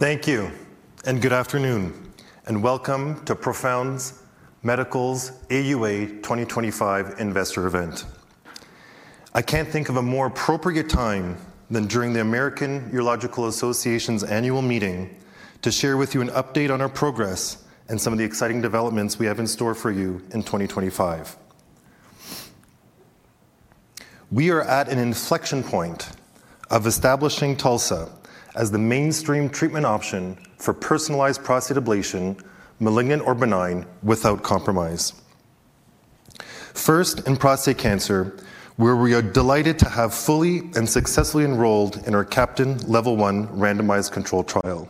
Thank you, and good afternoon, and welcome to Profound Medical's AUA 2025 Investor Event. I can't think of a more appropriate time than during the American Urological Association's Annual Meeting to share with you an update on our progress and some of the exciting developments we have in store for you in 2025. We are at an inflection point of establishing TULSA as the mainstream treatment option for personalized prostate ablation, malignant or benign, without compromise. First in prostate cancer, where we are delighted to have fully and successfully enrolled in our CAPTAIN Level 1 randomized controlled trial.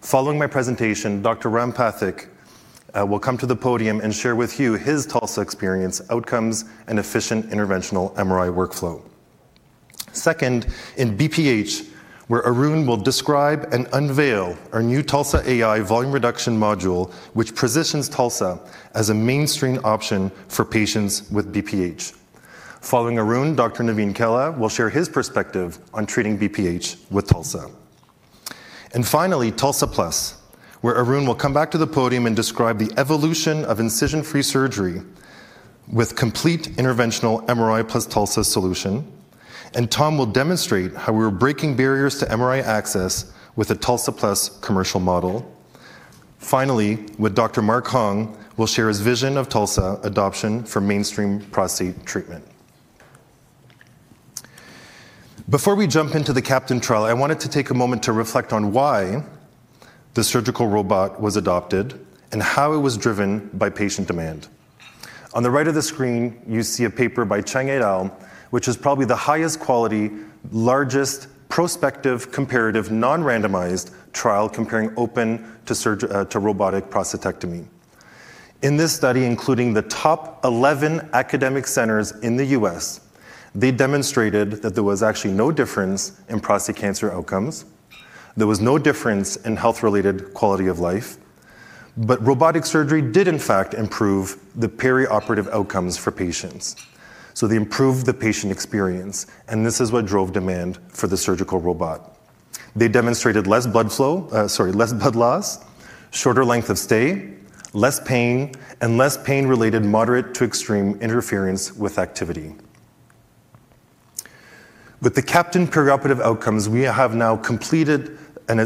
Following my presentation, Dr. Ram Pathak will come to the podium and share with you his TULSA experience, outcomes, and efficient interventional MRI workflow. Second, in BPH, where Arun will describe and unveil our new TULSA-AI Volume Reduction Module, which positions TULSA as a mainstream option for patients with BPH. Following Arun, Dr. Naveen Kella will share his perspective on treating BPH with TULSA. Finally, TULSA Plus, where Arun will come back to the podium and describe the evolution of incision-free surgery with complete interventional MRI plus TULSA solution. Tom will demonstrate how we're breaking barriers to MRI access with a TULSA Plus commercial model. Finally, with Dr. Mark Hong, we'll share his vision of TULSA adoption for mainstream prostate treatment. Before we jump into the CAPTAIN trial, I wanted to take a moment to reflect on why the surgical robot was adopted and how it was driven by patient demand. On the right of the screen, you see a paper by Chang et al., which is probably the highest quality, largest prospective comparative non-randomized trial comparing open to robotic prostatectomy. In this study, including the top 11 academic centers in the U.S. they demonstrated that there was actually no difference in prostate cancer outcomes. There was no difference in health-related quality of life. Robotic surgery did, in fact, improve the perioperative outcomes for patients. They improved the patient experience, and this is what drove demand for the surgical robot. They demonstrated less blood loss, shorter length of stay, less pain, and less pain-related moderate to extreme interference with activity. With the CAPTAIN perioperative outcomes, we have now completed and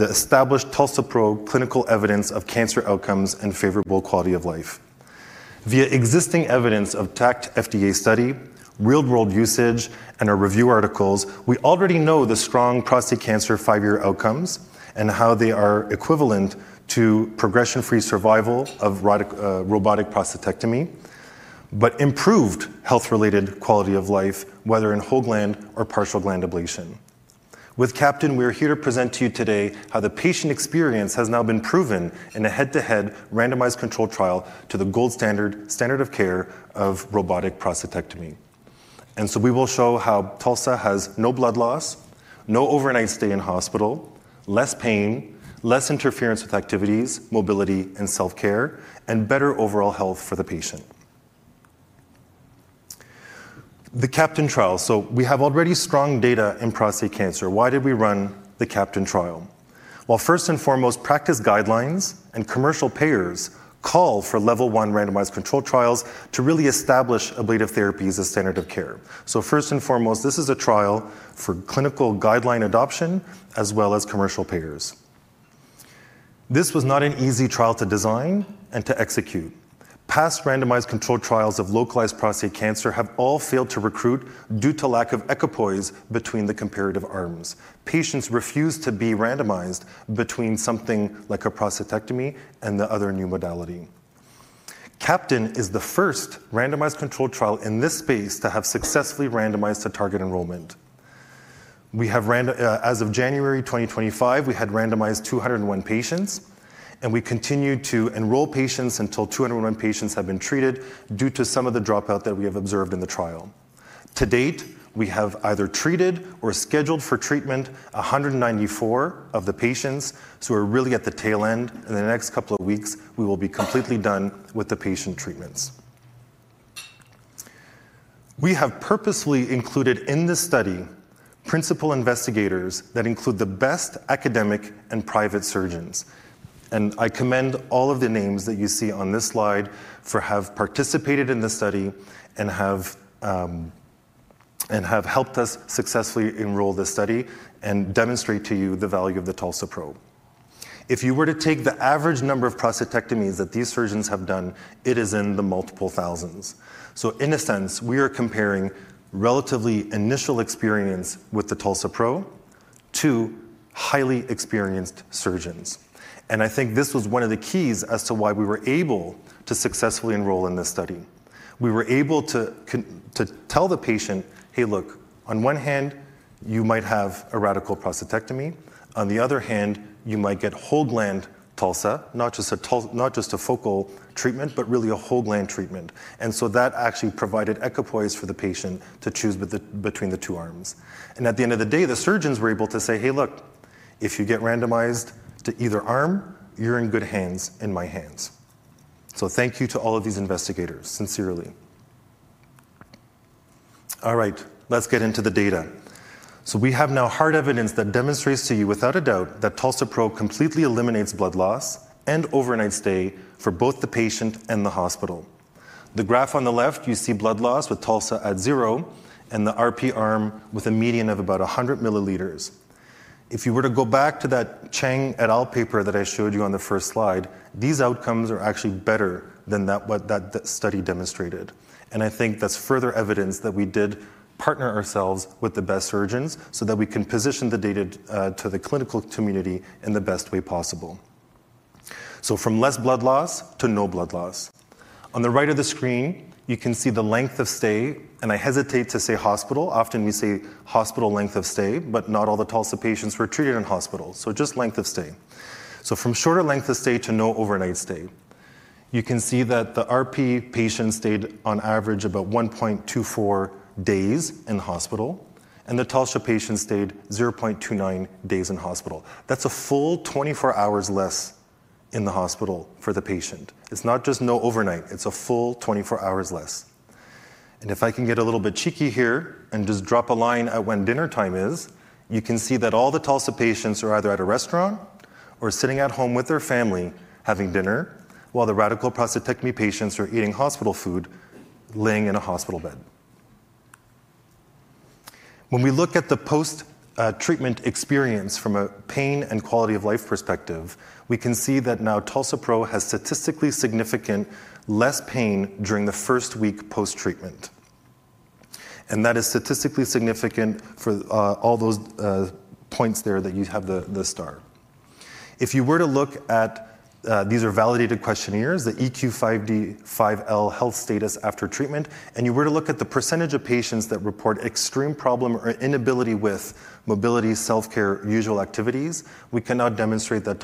established TULSA-PRO clinical evidence of cancer outcomes and favorable quality of life. Via existing evidence of TACT FDA study, real-world usage, and our review articles, we already know the strong prostate cancer five-year outcomes and how they are equivalent to progression-free survival of robotic prostatectomy, but improved health-related quality of life, whether in whole gland or partial gland ablation. With CAPTAIN, we are here to present to you today how the patient experience has now been proven in a head-to-head randomized controlled trial to the gold standard standard of care of robotic prostatectomy. We will show how TULSA has no blood loss, no overnight stay in hospital, less pain, less interference with activities, mobility, and self-care, and better overall health for the patient. The CAPTAIN trial. We have already strong data in prostate cancer. Why did we run the CAPTAIN trial? First and foremost, practice guidelines and commercial payers call for Level 1 randomized controlled trials to really establish ablative therapies as standard of care. First and foremost, this is a trial for clinical guideline adoption as well as commercial payers. This was not an easy trial to design and to execute. Past randomized controlled trials of localized prostate cancer have all failed to recruit due to lack of equipoise between the comparative arms. Patients refuse to be randomized between something like a prostatectomy and the other new modality. CAPTAIN is the first randomized controlled trial in this space to have successfully randomized to target enrollment. As of January 2025, we had randomized 201 patients, and we continue to enroll patients until 201 patients have been treated due to some of the dropout that we have observed in the trial. To date, we have either treated or scheduled for treatment 194 of the patients, so we're really at the tail end. In the next couple of weeks, we will be completely done with the patient treatments. We have purposely included in this study principal investigators that include the best academic and private surgeons. I commend all of the names that you see on this slide for having participated in the study and have helped us successfully enroll the study and demonstrate to you the value of the TULSA-PRO. If you were to take the average number of prostatectomies that these surgeons have done, it is in the multiple thousands. In a sense, we are comparing relatively initial experience with the TULSA-PRO to highly experienced surgeons. I think this was one of the keys as to why we were able to successfully enroll in this study. We were able to tell the patient, "Hey, look, on one hand, you might have a radical prostatectomy. On the other hand, you might get whole gland TULSA, not just a focal treatment, but really a whole gland treatment." That actually provided equipoise for the patient to choose between the two arms. At the end of the day, the surgeons were able to say, "Hey, look, if you get randomized to either arm, you're in good hands in my hands." Thank you to all of these investigators, sincerely. All right, let's get into the data. We have now hard evidence that demonstrates to you, without a doubt, that TULSA-PRO completely eliminates blood loss and overnight stay for both the patient and the hospital. The graph on the left, you see blood loss with TULSA at zero and the RP arm with a median of about 100 ml. If you were to go back to that Chang et al. paper that I showed you on the first slide, these outcomes are actually better than what that study demonstrated. I think that's further evidence that we did partner ourselves with the best surgeons so that we can position the data to the clinical community in the best way possible. From less blood loss to no blood loss. On the right of the screen, you can see the length of stay, and I hesitate to say hospital. Often we say hospital length of stay, but not all the TULSA patients were treated in hospital. Just length of stay. From shorter length of stay to no overnight stay, you can see that the RP patient stayed on average about 1.24 days in hospital, and the TULSA patient stayed 0.29 days in hospital. That's a full 24 hours less in the hospital for the patient. It's not just no overnight. It's a full 24 hours less. If I can get a little bit cheeky here and just drop a line at when dinner time is, you can see that all the TULSA patients are either at a restaurant or sitting at home with their family having dinner while the radical prostatectomy patients are eating hospital food, laying in a hospital bed. When we look at the post-treatment experience from a pain and quality of life perspective, we can see that now TULSA-PRO has statistically significant less pain during the first week post-treatment. That is statistically significant for all those points there that you have the star. If you were to look at these are validated questionnaires, the EQ-5D-5L health status after treatment, and you were to look at the percentage of patients that report extreme problem or inability with mobility, self-care, usual activities, we cannot demonstrate that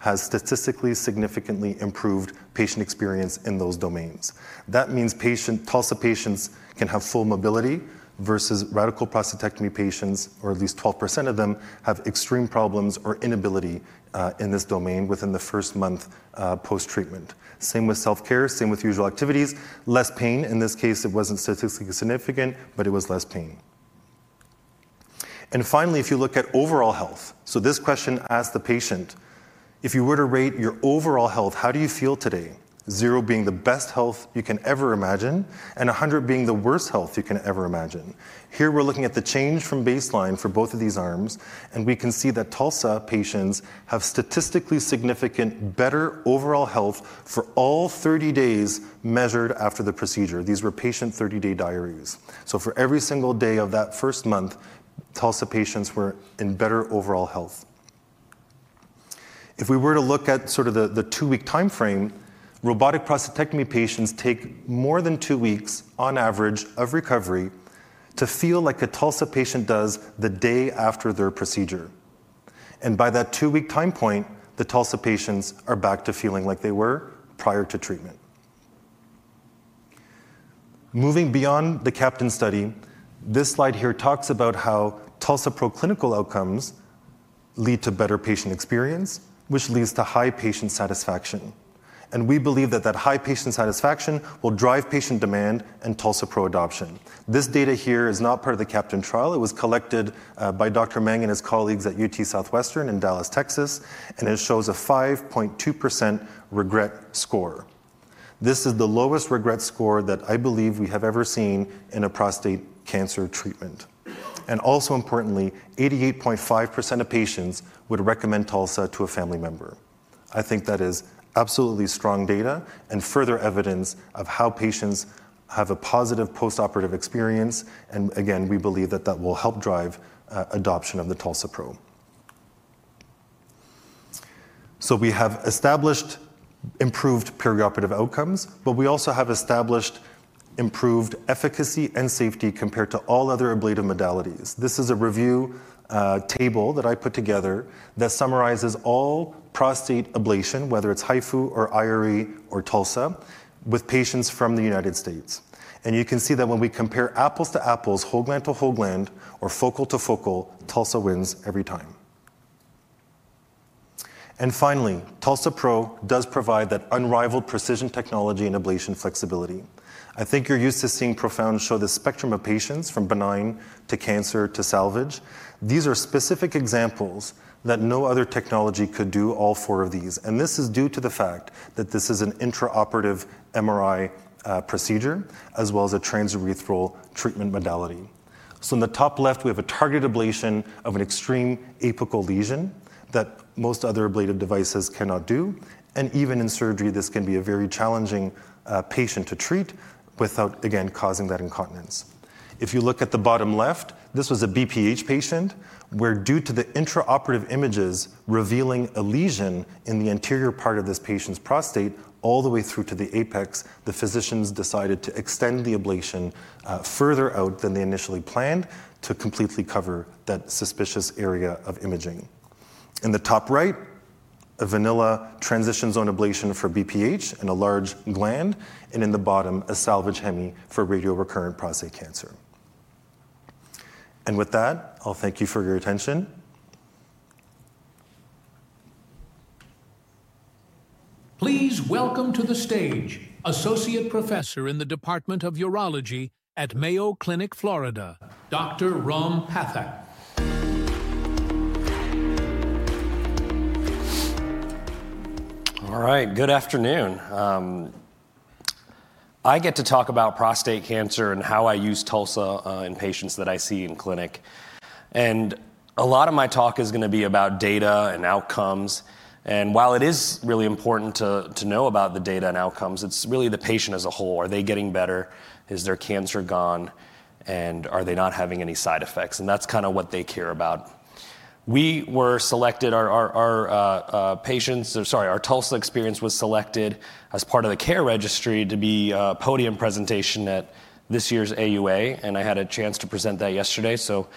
TULSA has statistically significantly improved patient experience in those domains. That means TULSA patients can have full mobility versus radical prostatectomy patients, where at least 12% of them have extreme problems or inability in this domain within the first month post-treatment. Same with self-care, same with usual activities, less pain. In this case, it was not statistically significant, but it was less pain. Finally, if you look at overall health, this question asked the patient, "If you were to rate your overall health, how do you feel today?" Zero being the best health you can ever imagine and 100 being the worst health you can ever imagine. Here we're looking at the change from baseline for both of these arms, and we can see that TULSA patients have statistically significant better overall health for all 30 days measured after the procedure. These were patient 30-day diaries. For every single day of that first month, TULSA patients were in better overall health. If we were to look at sort of the two-week timeframe, robotic prostatectomy patients take more than two weeks on average of recovery to feel like a TULSA patient does the day after their procedure. By that two-week time point, the TULSA patients are back to feeling like they were prior to treatment. Moving beyond the CAPTAIN study, this slide here talks about how TULSA-PRO clinical outcomes lead to better patient experience, which leads to high patient satisfaction. We believe that that high patient satisfaction will drive patient demand and TULSA-PRO adoption. This data here is not part of the CAPTAIN trial. It was collected by Dr. Meng and his colleagues at UT Southwestern in Dallas, Texas, and it shows a 5.2% regret score. This is the lowest regret score that I believe we have ever seen in a prostate cancer treatment. Also importantly, 88.5% of patients would recommend TULSA to a family member. I think that is absolutely strong data and further evidence of how patients have a positive post-operative experience. We believe that that will help drive adoption of the TULSA-PRO. We have established improved perioperative outcomes, but we also have established improved efficacy and safety compared to all other ablative modalities. This is a review table that I put together that summarizes all prostate ablation, whether it's HIFU or IRE or TULSA, with patients from the United States. You can see that when we compare apples to apples, whole gland to whole gland, or focal to focal, TULSA wins every time. Finally, TULSA-PRO does provide that unrivaled precision technology and ablation flexibility. I think you're used to seeing Profound show the spectrum of patients from benign to cancer to salvage. These are specific examples that no other technology could do all four of these. This is due to the fact that this is an intraoperative MRI procedure as well as a transurethral treatment modality. In the top left, we have a target ablation of an extreme apical lesion that most other ablative devices cannot do. Even in surgery, this can be a very challenging patient to treat without, again, causing that incontinence. If you look at the bottom left, this was a BPH patient where, due to the intraoperative images revealing a lesion in the anterior part of this patient's prostate all the way through to the apex, the physicians decided to extend the ablation further out than they initially planned to completely cover that suspicious area of imaging. In the top right, a vanilla transition zone ablation for BPH and a large gland, and in the bottom, a salvage hemi for radial recurrent prostate cancer. Thank you for your attention. Please welcome to the stage Associate Professor in the Department of Urology at Mayo Clinic, Florida, Dr. Ram Pathak. All right, good afternoon. I get to talk about prostate cancer and how I use TULSA in patients that I see in clinic. A lot of my talk is going to be about data and outcomes. While it is really important to know about the data and outcomes, it's really the patient as a whole. Are they getting better? Is their cancer gone? Are they not having any side effects? That's kind of what they care about. Our TULSA experience was selected as part of the CARE Registry to be a podium presentation at this year's AUA. I had a chance to present that yesterday, so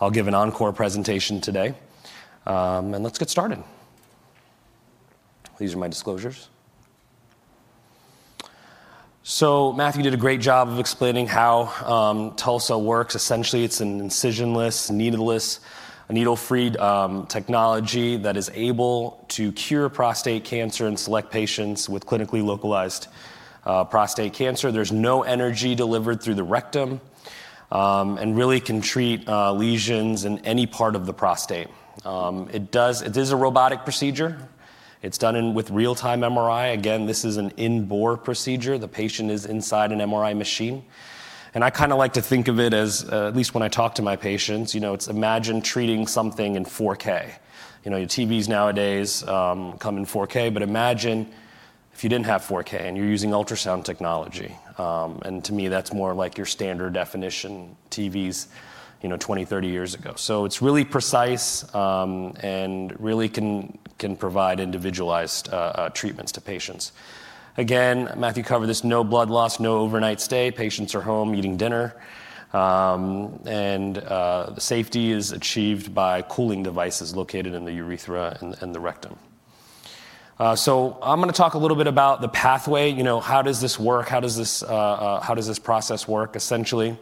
I'll give an encore presentation today. Let's get started. These are my disclosures. Mathieu did a great job of explaining how TULSA works. Essentially, it's an incisionless, needleless, needle-free technology that is able to cure prostate cancer in select patients with clinically localized prostate cancer. There's no energy delivered through the rectum and really can treat lesions in any part of the prostate. It is a robotic procedure. It's done with real-time MRI. Again, this is an in-bore procedure. The patient is inside an MRI machine. I kind of like to think of it as, at least when I talk to my patients, you know, it's imagine treating something in 4K. You know, your TVs nowadays come in 4K, but imagine if you didn't have 4K and you're using ultrasound technology. To me, that's more like your standard definition TVs 20, 30 years ago. It's really precise and really can provide individualized treatments to patients. Again, Mathieu covered this, no blood loss, no overnight stay. Patients are home eating dinner. The safety is achieved by cooling devices located in the urethra and the rectum. I'm going to talk a little bit about the pathway. You know, how does this work? How does this process work? Essentially,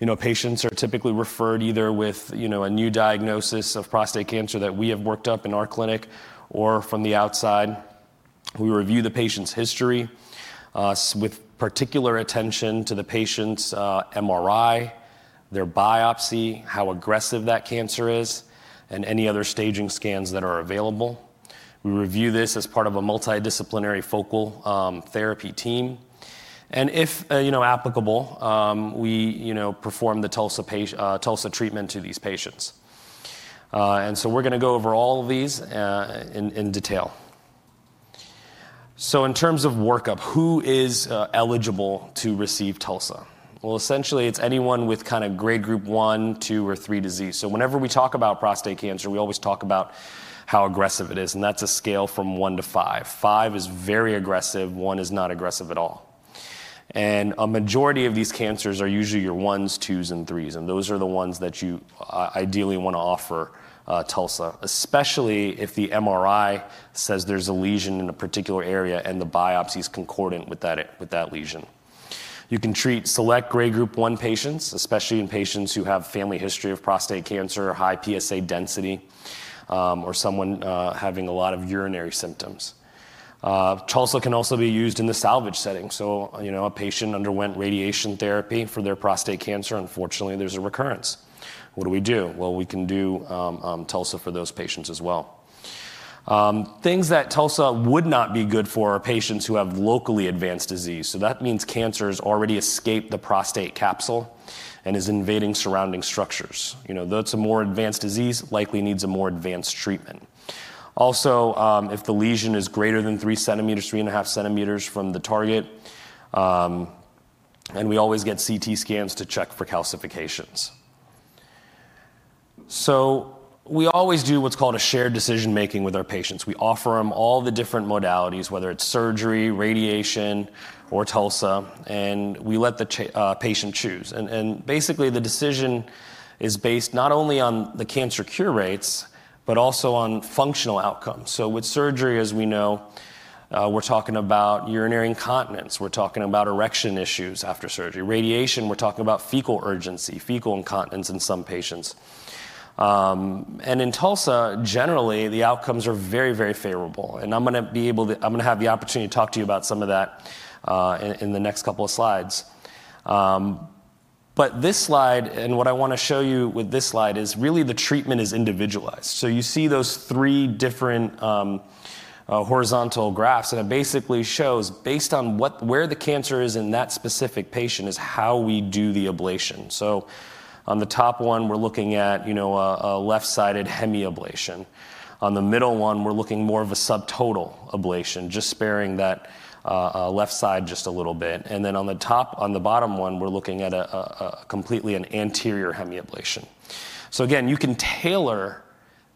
you know, patients are typically referred either with a new diagnosis of prostate cancer that we have worked up in our clinic or from the outside. We review the patient's history with particular attention to the patient's MRI, their biopsy, how aggressive that cancer is, and any other staging scans that are available. We review this as part of a multidisciplinary focal therapy team. If applicable, we perform the TULSA treatment to these patients. We're going to go over all of these in detail. In terms of workup, who is eligible to receive TULSA? Essentially, it's anyone with kind of Grade Group one, two, or three disease. Whenever we talk about prostate cancer, we always talk about how aggressive it is. That's a scale from one to five. Five is very aggressive. One is not aggressive at all. A majority of these cancers are usually your ones, twos, and threes. Those are the ones that you ideally want to offer TULSA, especially if the MRI says there's a lesion in a particular area and the biopsy is concordant with that lesion. You can treat select Grade Group one patients, especially in patients who have family history of prostate cancer, high PSA density, or someone having a lot of urinary symptoms. TULSA can also be used in the salvage setting. A patient underwent radiation therapy for their prostate cancer. Unfortunately, there's a recurrence. What do we do? We can do TULSA for those patients as well. Things that TULSA would not be good for are patients who have locally advanced disease. That means cancer has already escaped the prostate capsule and is invading surrounding structures. That's a more advanced disease, likely needs a more advanced treatment. Also, if the lesion is greater than 3 cm, 3.5 cm from the target, and we always get CT scans to check for calcifications. We always do what's called a shared decision-making with our patients. We offer them all the different modalities, whether it's surgery, radiation, or TULSA, and we let the patient choose. Basically, the decision is based not only on the cancer cure rates, but also on functional outcomes. With surgery, as we know, we're talking about urinary incontinence. We're talking about erection issues after surgery. Radiation, we're talking about fecal urgency, fecal incontinence in some patients. In TULSA, generally, the outcomes are very, very favorable. I'm going to be able to, I'm going to have the opportunity to talk to you about some of that in the next couple of slides. This slide, and what I want to show you with this slide, is really the treatment is individualized. You see those three different horizontal graphs, and it basically shows, based on where the cancer is in that specific patient, is how we do the ablation. On the top one, we're looking at a left-sided hemi-ablation. On the middle one, we're looking more of a subtotal ablation, just sparing that left side just a little bit. On the bottom one, we're looking at completely an anterior hemi-ablation. Again, you can tailor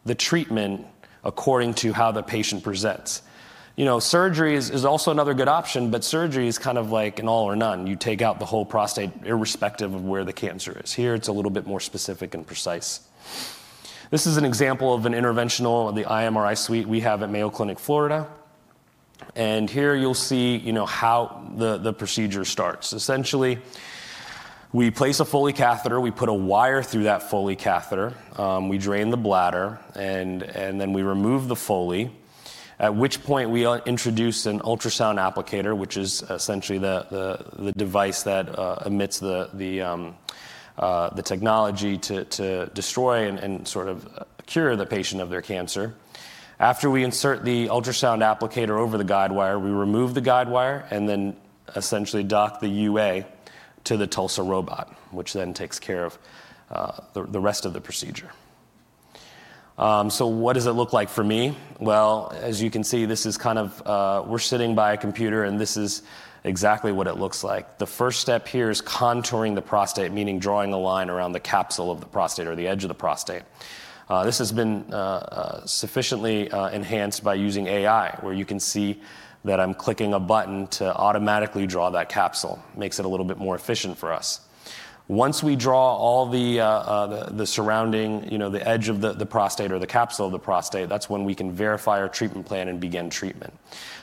the treatment according to how the patient presents. Surgery is also another good option, but surgery is kind of like an all or none. You take out the whole prostate, irrespective of where the cancer is. Here, it's a little bit more specific and precise. This is an example of an interventional of the iMRI Suite we have at Mayo Clinic, Florida. Here you'll see how the procedure starts. Essentially, we place a Foley catheter. We put a wire through that Foley catheter. We drain the bladder, and then we remove the Foley, at which point we introduce an ultrasound applicator, which is essentially the device that emits the technology to destroy and sort of cure the patient of their cancer. After we insert the ultrasound applicator over the guidewire, we remove the guidewire and then essentially dock the UA to the TULSA robot, which then takes care of the rest of the procedure. What does it look like for me? As you can see, this is kind of, we're sitting by a computer, and this is exactly what it looks like. The first step here is contouring the prostate, meaning drawing a line around the capsule of the prostate or the edge of the prostate. This has been sufficiently enhanced by using AI, where you can see that I'm clicking a button to automatically draw that capsule. It makes it a little bit more efficient for us. Once we draw all the surrounding, the edge of the prostate or the capsule of the prostate, that's when we can verify our treatment plan and begin treatment.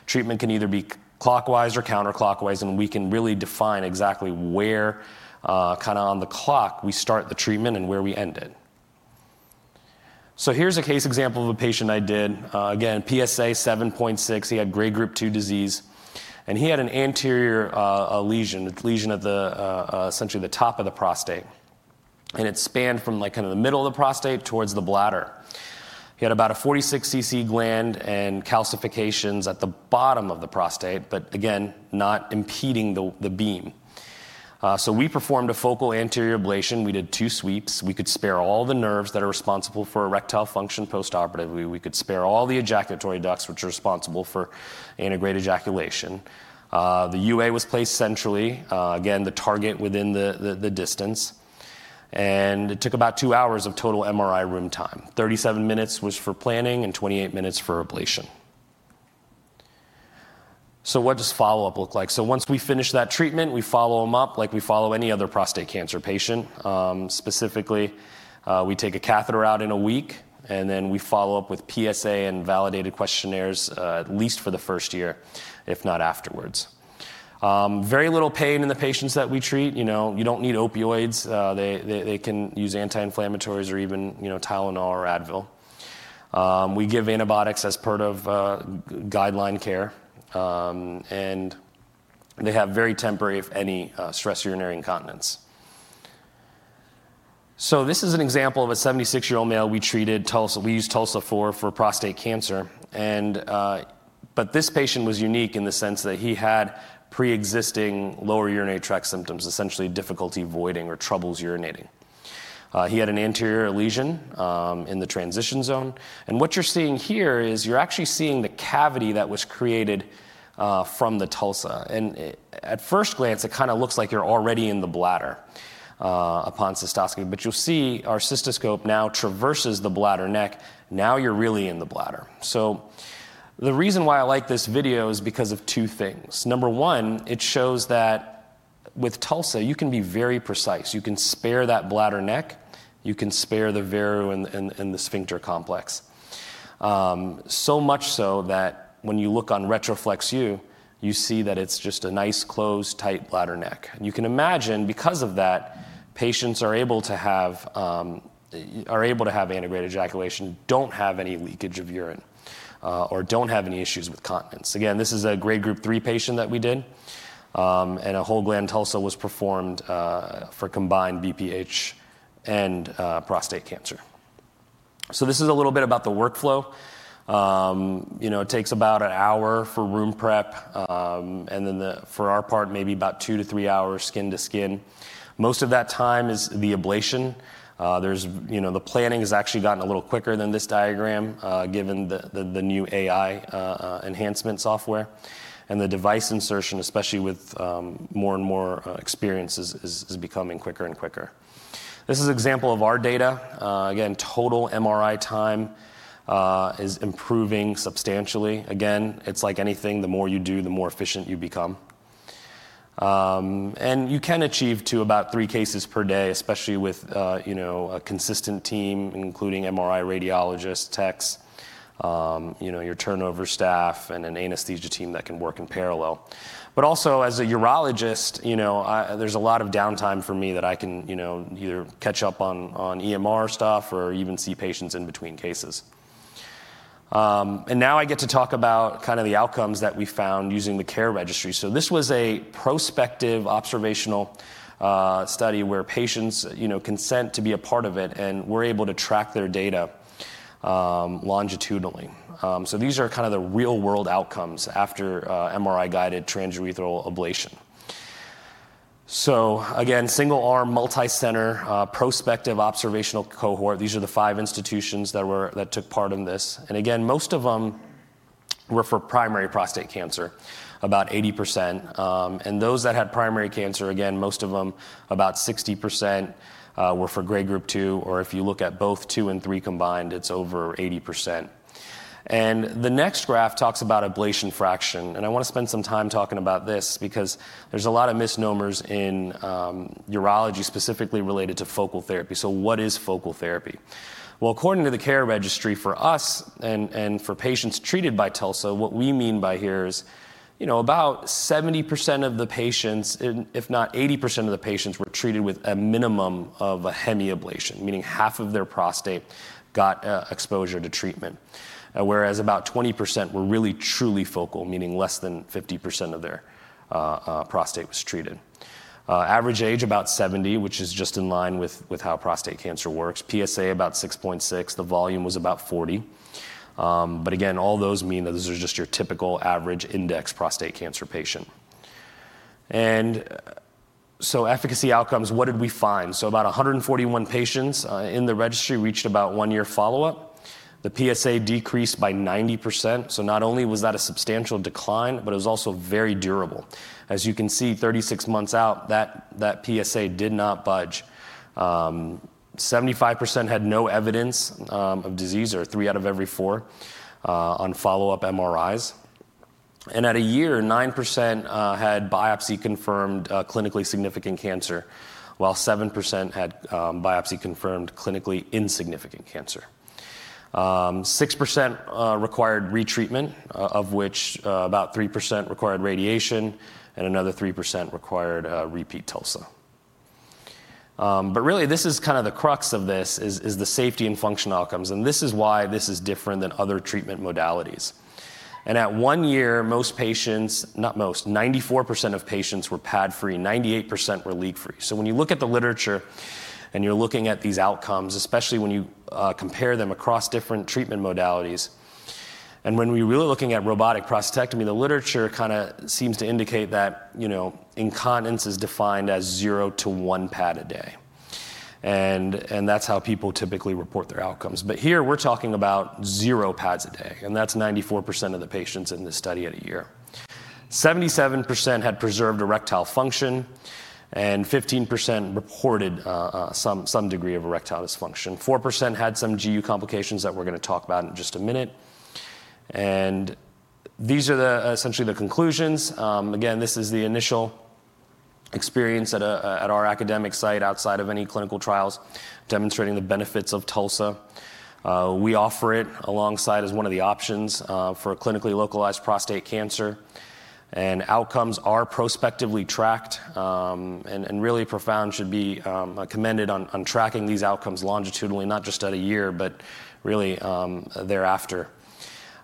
Treatment can either be clockwise or counterclockwise, and we can really define exactly where, kind of on the clock, we start the treatment and where we end it. Here's a case example of a patient I did. Again, PSA 7.6. He had Grade Group 2 disease, and he had an anterior lesion, a lesion at essentially the top of the prostate. It spanned from kind of the middle of the prostate towards the bladder. He had about a 46 cc gland and calcifications at the bottom of the prostate, but again, not impeding the beam. We performed a focal anterior ablation. We did two sweeps. We could spare all the nerves that are responsible for erectile function postoperatively. We could spare all the ejaculatory ducts, which are responsible for antegrade ejaculation. The UA was placed centrally, again, the target within the distance. It took about two hours of total MRI room time. Thirty-seven minutes was for planning and 28 minutes for ablation. What does follow-up look like? Once we finish that treatment, we follow them up like we follow any other prostate cancer patient. Specifically, we take a catheter out in a week, and then we follow up with PSA and validated questionnaires at least for the first year, if not afterwards. Very little pain in the patients that we treat. You do not need opioids. They can use anti-inflammatories or even Tylenol or Advil. We give antibiotics as part of guideline care. They have very temporary, if any, stress urinary incontinence. This is an example of a 76-year-old male we treated. We used TULSA for prostate cancer. This patient was unique in the sense that he had pre-existing lower urinary tract symptoms, essentially difficulty voiding or troubles urinating. He had an anterior lesion in the transition zone. What you're seeing here is you're actually seeing the cavity that was created from the TULSA. At first glance, it kind of looks like you're already in the bladder upon cystoscopy. You'll see our cystoscope now traverses the bladder neck. Now you're really in the bladder. The reason why I like this video is because of two things. Number one, it shows that with TULSA, you can be very precise. You can spare that bladder neck. You can spare the verumontanum and the sphincter complex. So much so that when you look on Retroflex, you see that it's just a nice closed, tight bladder neck. You can imagine, because of that, patients are able to have antegrade ejaculation, don't have any leakage of urine, or don't have any issues with continence. Again, this is a Grade Group 3 patient that we did. A whole gland TULSA was performed for combined BPH and prostate cancer. This is a little bit about the workflow. It takes about an hour for room prep. For our part, maybe about two to three hours skin to skin. Most of that time is the ablation. The planning has actually gotten a little quicker than this diagram given the new AI enhancement software. The device insertion, especially with more and more experience, is becoming quicker and quicker. This is an example of our data. Again, total MRI time is improving substantially. It is like anything, the more you do, the more efficient you become. You can achieve about three cases per day, especially with a consistent team, including MRI radiologists, techs, your turnover staff, and an anesthesia team that can work in parallel. Also, as a urologist, there's a lot of downtime for me that I can either catch up on EMR stuff or even see patients in between cases. Now I get to talk about kind of the outcomes that we found using the CARE Registry. This was a prospective observational study where patients consent to be a part of it, and we're able to track their data longitudinally. These are kind of the real-world outcomes after MRI-guided transurethral ablation. Again, single-arm, multi-center prospective observational cohort. These are the five institutions that took part in this. Most of them were for primary prostate cancer, about 80%. Those that had primary cancer, again, most of them, about 60%, were Grade Group 2. If you look at both two and three combined, it's over 80%. The next graph talks about ablation fraction. I want to spend some time talking about this because there's a lot of misnomers in urology, specifically related to focal therapy. What is focal therapy? According to the CARE Registry for us and for patients treated by TULSA, what we mean here is about 70% of the patients, if not 80% of the patients, were treated with a minimum of a hemi-ablation, meaning half of their prostate got exposure to treatment, whereas about 20% were really truly focal, meaning less than 50% of their prostate was treated. Average age, about 70, which is just in line with how prostate cancer works. PSA, about 6.6. The volume was about 40. Again, all those mean that this is just your typical average index prostate cancer patient. Efficacy outcomes, what did we find? About 141 patients in the registry reached about one-year follow-up. The PSA decreased by 90%. Not only was that a substantial decline, but it was also very durable. As you can see, 36 months out, that PSA did not budge. 75% had no evidence of disease, or three out of every four, on follow-up MRIs. At a year, 9% had biopsy-confirmed clinically significant cancer, while 7% had biopsy-confirmed clinically insignificant cancer. 6% required retreatment, of which about 3% required radiation, and another 3% required repeat TULSA. Really, this is kind of the crux of this, is the safety and functional outcomes. This is why this is different than other treatment modalities. At one year, most patients, not most, 94% of patients were PAD-free, 98% were leak-free. When you look at the literature and you're looking at these outcomes, especially when you compare them across different treatment modalities, and when we're really looking at robotic prostatectomy, the literature kind of seems to indicate that incontinence is defined as zero to one PAD a day. That's how people typically report their outcomes. Here, we're talking about zero PADs a day. That's 94% of the patients in this study at a year. 77% had preserved erectile function, and 15% reported some degree of erectile dysfunction. 4% had some GU complications that we're going to talk about in just a minute. These are essentially the conclusions. Again, this is the initial experience at our academic site outside of any clinical trials, demonstrating the benefits of TULSA. We offer it alongside as one of the options for clinically localized prostate cancer. Outcomes are prospectively tracked. Profound should be commended on tracking these outcomes longitudinally, not just at a year, but really thereafter.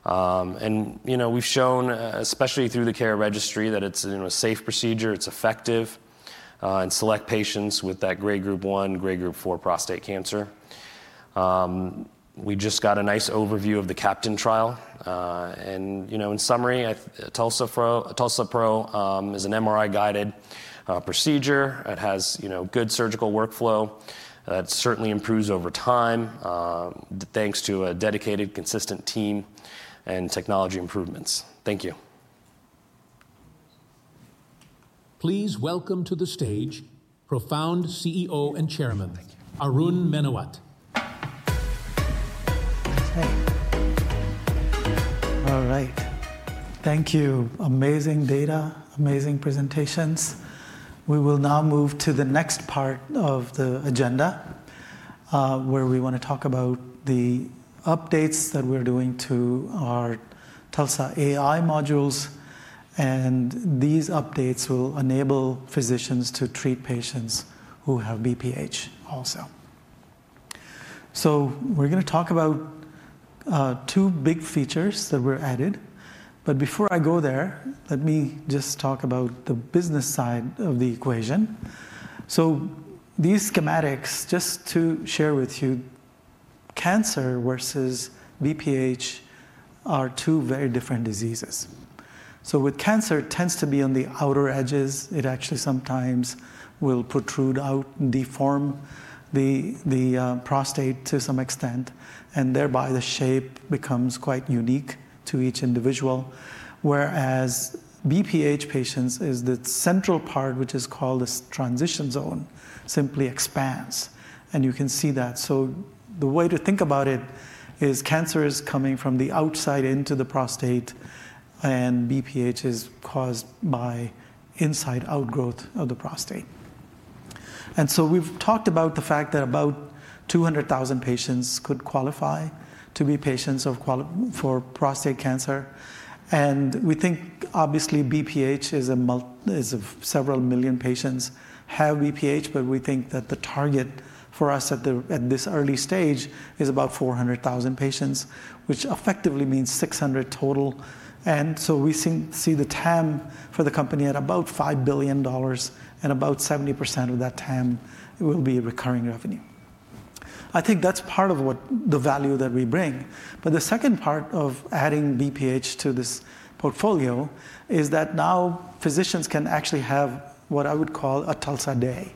We have shown, especially through the CARE Registry, that it is a safe procedure. It is effective in select patients with that Grade Group 1, Grade Group 4 prostate cancer. We just got a nice overview of the CAPTAIN trial. In summary, TULSA-PRO is an MRI-guided procedure. It has good surgical workflow. It certainly improves over time, thanks to a dedicated, consistent team and technology improvements. Thank you. Please welcome to the stage Profound CEO and Chairman, Arun Menawat. All right. Thank you. Amazing data, amazing presentations. We will now move to the next part of the agenda, where we want to talk about the updates that we are doing to our TULSA-AI modules. These updates will enable physicians to treat patients who have BPH also. We're going to talk about two big features that were added. Before I go there, let me just talk about the business side of the equation. These schematics, just to share with you, cancer versus BPH are two very different diseases. With cancer, it tends to be on the outer edges. It actually sometimes will protrude out and deform the prostate to some extent. Thereby, the shape becomes quite unique to each individual. Whereas BPH patients, it is the central part, which is called a transition zone, that simply expands. You can see that. The way to think about it is cancer is coming from the outside into the prostate, and BPH is caused by inside outgrowth of the prostate. We've talked about the fact that about 200,000 patients could qualify to be patients for prostate cancer. We think, obviously, BPH is several million patients have BPH, but we think that the target for us at this early stage is about 400,000 patients, which effectively means 600 total. We see the TAM for the company at about $5 billion, and about 70% of that TAM will be recurring revenue. I think that's part of the value that we bring. The second part of adding BPH to this portfolio is that now physicians can actually have what I would call a TULSA day.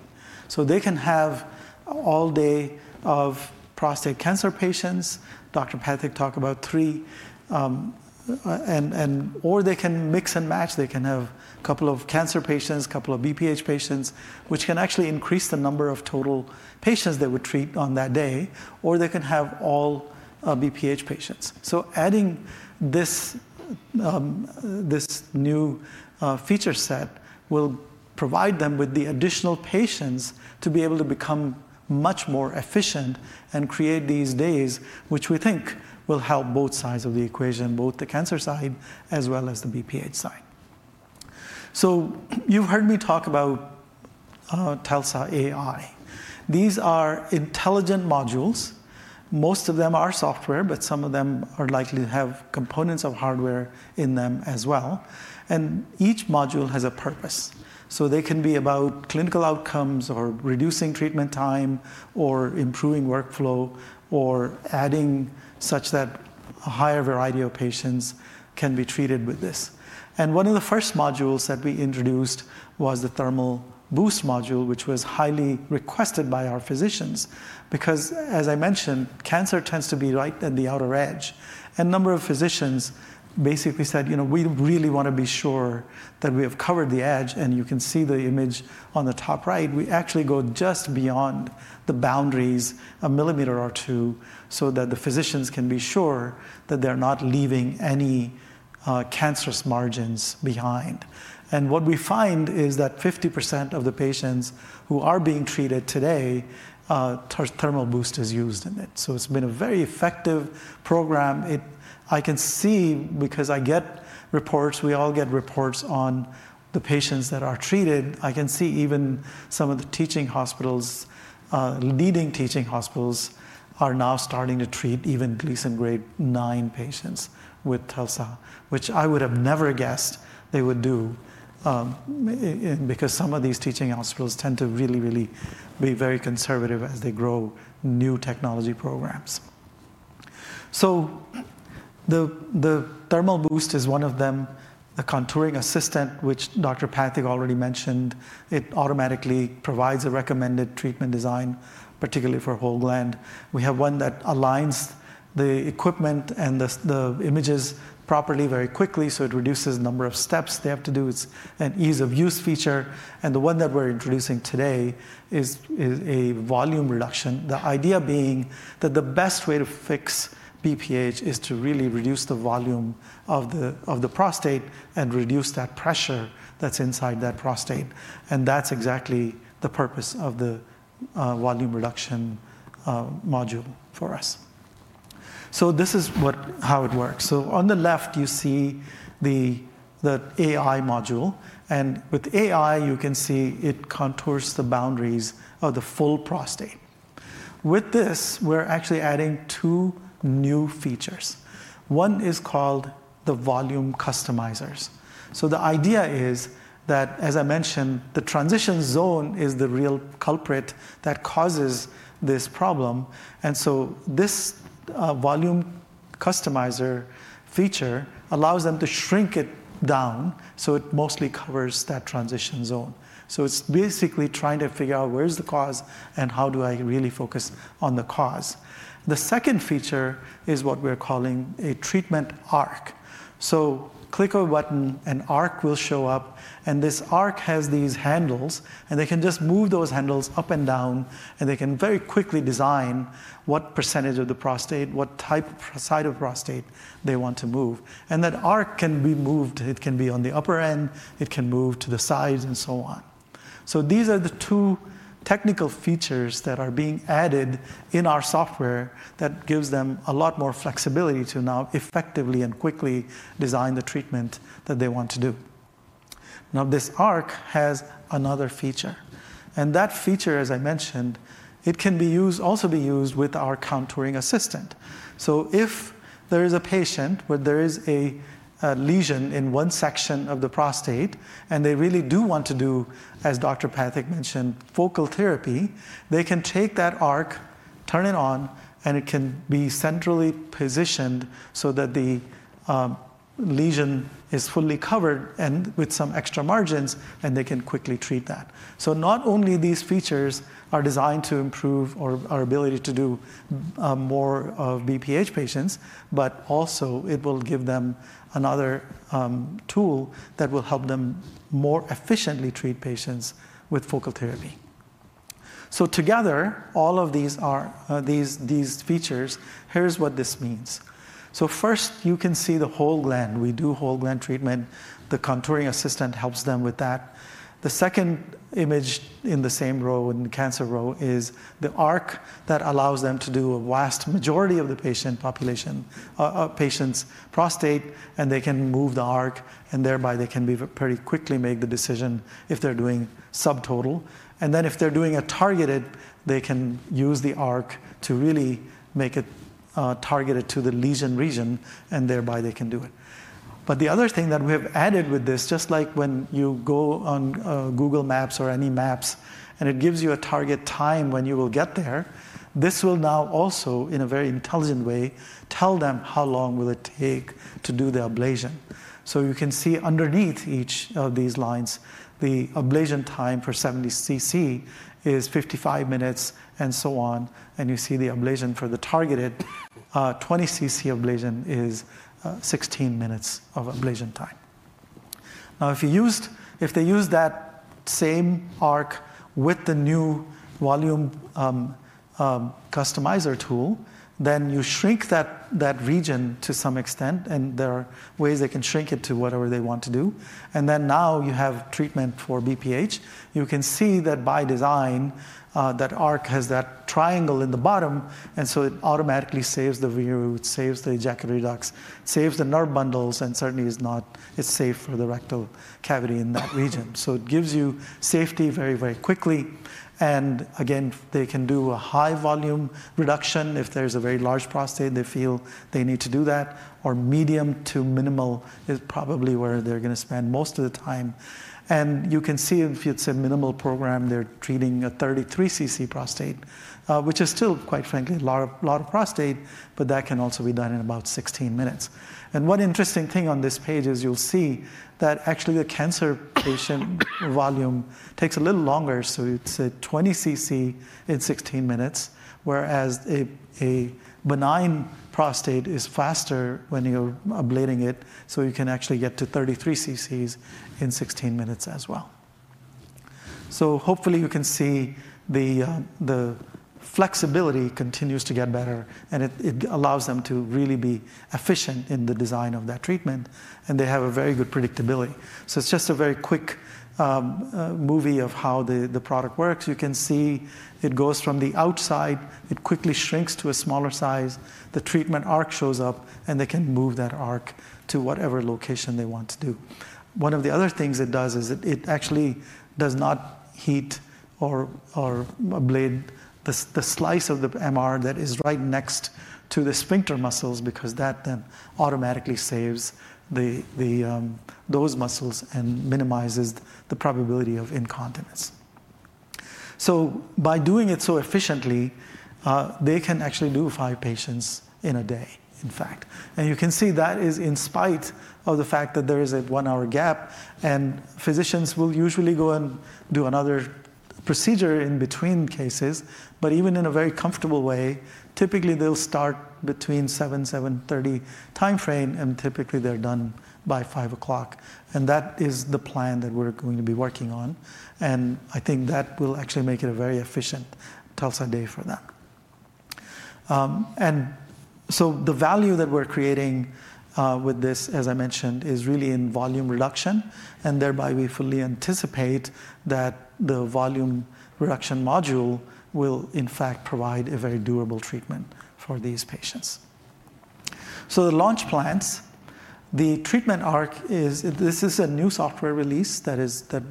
They can have all day of prostate cancer patients. Dr. Pathak talked about three. They can mix and match. They can have a couple of cancer patients, a couple of BPH patients, which can actually increase the number of total patients they would treat on that day. They can have all BPH patients. Adding this new feature set will provide them with the additional patients to be able to become much more efficient and create these days, which we think will help both sides of the equation, both the cancer side as well as the BPH side. You've heard me talk about TULSA-AI. These are intelligent modules. Most of them are software, but some of them are likely to have components of hardware in them as well. Each module has a purpose. They can be about clinical outcomes or reducing treatment time or improving workflow or adding such that a higher variety of patients can be treated with this. One of the first modules that we introduced was the thermal boost module, which was highly requested by our physicians. Because, as I mentioned, cancer tends to be right at the outer edge. A number of physicians basically said, "We really want to be sure that we have covered the edge." You can see the image on the top right. We actually go just beyond the boundaries a millimeter or two so that the physicians can be sure that they're not leaving any cancerous margins behind. What we find is that 50% of the patients who are being treated today, thermal boost is used in it. It's been a very effective program. I can see because I get reports, we all get reports on the patients that are treated. I can see even some of the leading teaching hospitals are now starting to treat even Gleason grade 9 patients with TULSA, which I would have never guessed they would do. Some of these teaching hospitals tend to really, really be very conservative as they grow new technology programs. The thermal boost is one of them. The contouring assistant, which Dr. Pathak already mentioned, it automatically provides a recommended treatment design, particularly for whole gland. We have one that aligns the equipment and the images properly very quickly. It reduces the number of steps they have to do. It's an ease-of-use feature. The one that we're introducing today is a volume reduction. The idea being that the best way to fix BPH is to really reduce the volume of the prostate and reduce that pressure that's inside that prostate. That's exactly the purpose of the volume reduction module for us. This is how it works. On the left, you see the AI module. With AI, you can see it contours the boundaries of the full prostate. With this, we're actually adding two new features. One is called the volume customizers. The idea is that, as I mentioned, the transition zone is the real culprit that causes this problem. This volume customizer feature allows them to shrink it down so it mostly covers that transition zone. It is basically trying to figure out where is the cause and how do I really focus on the cause. The second feature is what we're calling a treatment arc. Click a button, an arc will show up. This arc has these handles, and they can just move those handles up and down. They can very quickly design what percentage of the prostate, what type of side of prostate they want to move. That arc can be moved. It can be on the upper end. It can move to the sides and so on. These are the two technical features that are being added in our software that gives them a lot more flexibility to now effectively and quickly design the treatment that they want to do. Now, this arc has another feature. That feature, as I mentioned, it can also be used with our contouring assistant. If there is a patient where there is a lesion in one section of the prostate, and they really do want to do, as Dr. Pathak mentioned, focal therapy, they can take that arc, turn it on, and it can be centrally positioned so that the lesion is fully covered and with some extra margins, and they can quickly treat that. Not only are these features designed to improve our ability to do more of BPH patients, but also it will give them another tool that will help them more efficiently treat patients with focal therapy. Together, all of these features, here's what this means. First, you can see the whole gland. We do whole gland treatment. The contouring assistant helps them with that. The second image in the same row, in the cancer row, is the arc that allows them to do a vast majority of the patient's prostate. They can move the arc. Thereby, they can pretty quickly make the decision if they're doing subtotal. If they're doing a targeted, they can use the arc to really make it targeted to the lesion region. Thereby, they can do it. The other thing that we have added with this, just like when you go on Google Maps or any maps, and it gives you a target time when you will get there, this will now also, in a very intelligent way, tell them how long it will take to do the ablation. You can see underneath each of these lines, the ablation time for 70 cc is 55 minutes and so on. You see the ablation for the targeted 20 cc ablation is 16 minutes of ablation time. If they use that same arc with the new volume customizer tool, then you shrink that region to some extent. There are ways they can shrink it to whatever they want to do. Now you have treatment for BPH. You can see that by design, that arc has that triangle in the bottom. It automatically saves the veru, saves the ejacular reducts, saves the nerve bundles, and certainly is not, it's safe for the rectal cavity in that region. It gives you safety very, very quickly. Again, they can do a high volume reduction if there's a very large prostate they feel they need to do that, or medium to minimal is probably where they're going to spend most of the time. You can see if it's a minimal program, they're treating a 33 cc prostate, which is still, quite frankly, a lot of prostate, but that can also be done in about 16 minutes. One interesting thing on this page is you'll see that actually the cancer patient volume takes a little longer. It's a 20 cc in 16 minutes, whereas a benign prostate is faster when you're ablating it. You can actually get to 33 cc in 16 minutes as well. Hopefully, you can see the flexibility continues to get better. It allows them to really be efficient in the design of that treatment. They have a very good predictability. It is just a very quick movie of how the product works. You can see it goes from the outside. It quickly shrinks to a smaller size. The treatment arc shows up. They can move that arc to whatever location they want to do. One of the other things it does is it actually does not heat or ablate the slice of the MR that is right next to the sphincter muscles because that then automatically saves those muscles and minimizes the probability of incontinence. By doing it so efficiently, they can actually do five patients in a day, in fact. You can see that is in spite of the fact that there is a one-hour gap. Physicians will usually go and do another procedure in between cases. Even in a very comfortable way, typically, they'll start between 7:00, 7:30 time frame. Typically, they're done by 5:00. That is the plan that we're going to be working on. I think that will actually make it a very efficient TULSA day for them. The value that we're creating with this, as I mentioned, is really in volume reduction. We fully anticipate that the volume reduction module will, in fact, provide a very durable treatment for these patients. The launch plans, the treatment arc, this is a new software release that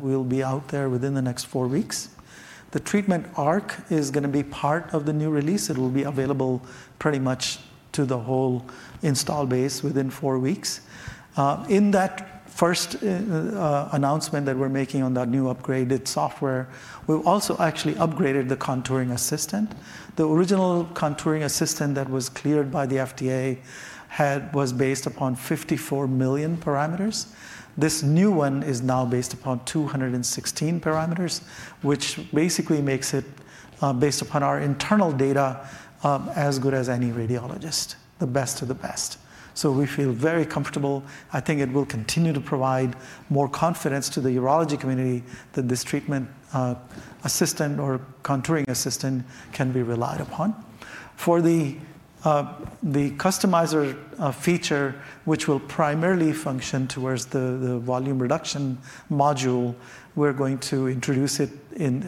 will be out there within the next four weeks. The treatment arc is going to be part of the new release. It will be available pretty much to the whole install base within four weeks. In that first announcement that we're making on that new upgraded software, we've also actually upgraded the contouring assistant. The original contouring assistant that was cleared by the FDA was based upon 54 million parameters. This new one is now based upon 216 million parameters, which basically makes it, based upon our internal data, as good as any radiologist, the best of the best. I think it will continue to provide more confidence to the urology community that this treatment assistant or contouring assistant can be relied upon. For the customizer feature, which will primarily function towards the volume reduction module, we're going to introduce it in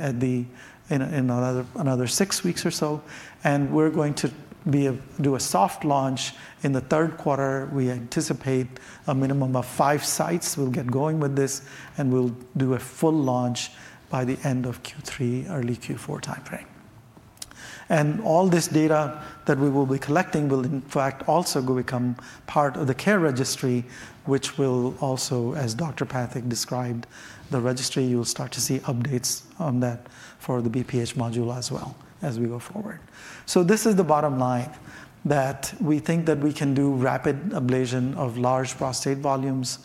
another six weeks or so. We are going to do a soft launch in the third quarter. We anticipate a minimum of five sites will get going with this. We will do a full launch by the end of Q3, early Q4 time frame. All this data that we will be collecting will, in fact, also become part of the CARE Registry, which will also, as Dr. Pathak described the registry, you'll start to see updates on that for the BPH module as well as we go forward. This is the bottom line that we think that we can do rapid ablation of large prostate volumes.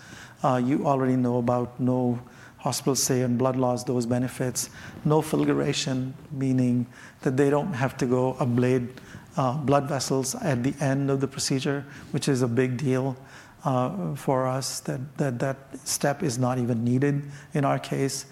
You already know about no hospital stay and blood loss, those benefits, no fulguration, meaning that they don't have to go ablate blood vessels at the end of the procedure, which is a big deal for us, that that step is not even needed in our case.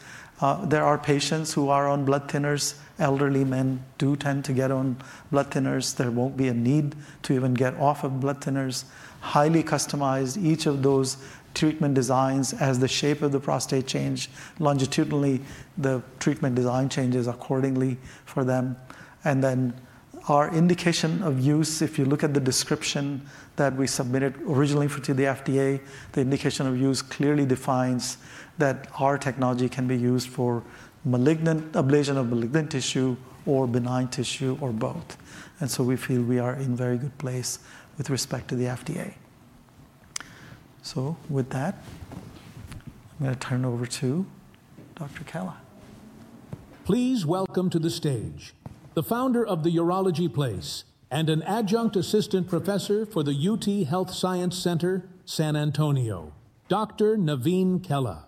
There are patients who are on blood thinners. Elderly men do tend to get on blood thinners. There will not be a need to even get off of blood thinners. Highly customized, each of those treatment designs as the shape of the prostate change. Longitudinally, the treatment design changes accordingly for them. Our indication of use, if you look at the description that we submitted originally to the FDA, the indication of use clearly defines that our technology can be used for ablation of malignant tissue or benign tissue or both. We feel we are in a very good place with respect to the FDA. With that, I am going to turn it over to Dr. Kella. Please welcome to the stage the Founder of Urology Place and an Adjunct Assistant Professor for the UT Health Science Center, San Antonio, Dr. Naveen Kella.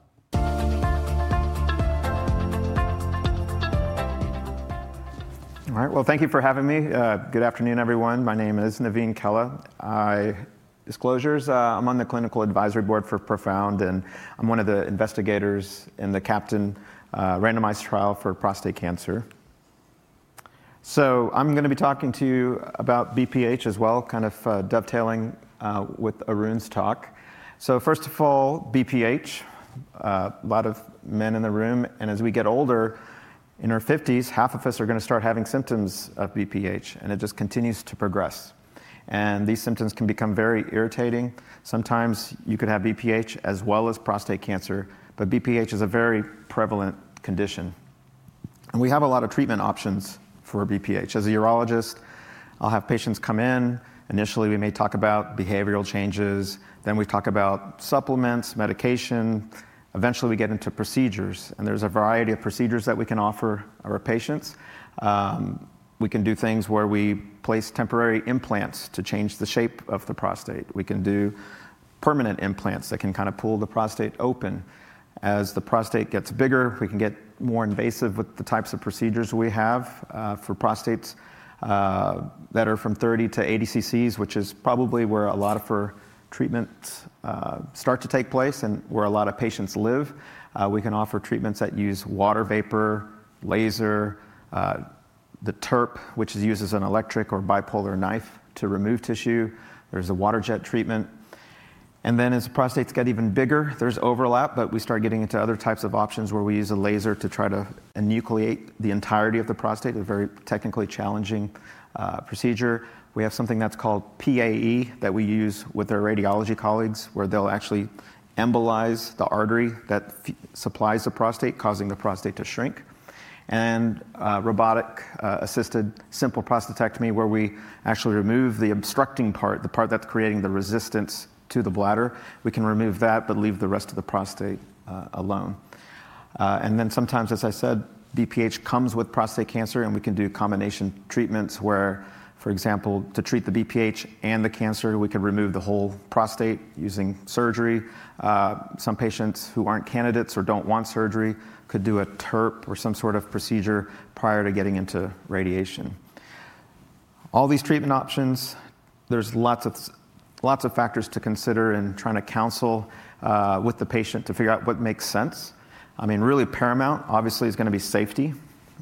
All right. Thank you for having me. Good afternoon, everyone. My name is Naveen Kella. Disclosures, I'm on the clinical advisory board for Profound. I'm one of the investigators in the CAPTAIN randomized trial for prostate cancer. I'm going to be talking to you about BPH as well, kind of dovetailing with Arun's talk. First of all, BPH, a lot of men in the room. As we get older, in our 50s, half of us are going to start having symptoms of BPH. It just continues to progress. These symptoms can become very irritating. Sometimes you could have BPH as well as prostate cancer. BPH is a very prevalent condition. We have a lot of treatment options for BPH. As a urologist, I'll have patients come in. Initially, we may talk about behavioral changes. Then we talk about supplements, medication. Eventually, we get into procedures. There's a variety of procedures that we can offer our patients. We can do things where we place temporary implants to change the shape of the prostate. We can do permanent implants that can kind of pull the prostate open. As the prostate gets bigger, we can get more invasive with the types of procedures we have for prostates that are from 30 cc-80 cc, which is probably where a lot of our treatments start to take place and where a lot of patients live. We can offer treatments that use water vapor, laser, the TURP, which uses an electric or bipolar knife to remove tissue. There's a water jet treatment. As the prostates get even bigger, there's overlap. We start getting into other types of options where we use a laser to try to enucleate the entirety of the prostate, a very technically challenging procedure. We have something that's called PAE that we use with our radiology colleagues, where they'll actually embolize the artery that supplies the prostate, causing the prostate to shrink, and robotic-assisted simple prostatectomy, where we actually remove the obstructing part, the part that's creating the resistance to the bladder. We can remove that but leave the rest of the prostate alone. Sometimes, as I said, BPH comes with prostate cancer. We can do combination treatments where, for example, to treat the BPH and the cancer, we could remove the whole prostate using surgery. Some patients who aren't candidates or don't want surgery could do a TURP or some sort of procedure prior to getting into radiation. All these treatment options, there's lots of factors to consider in trying to counsel with the patient to figure out what makes sense. I mean, really paramount, obviously, is going to be safety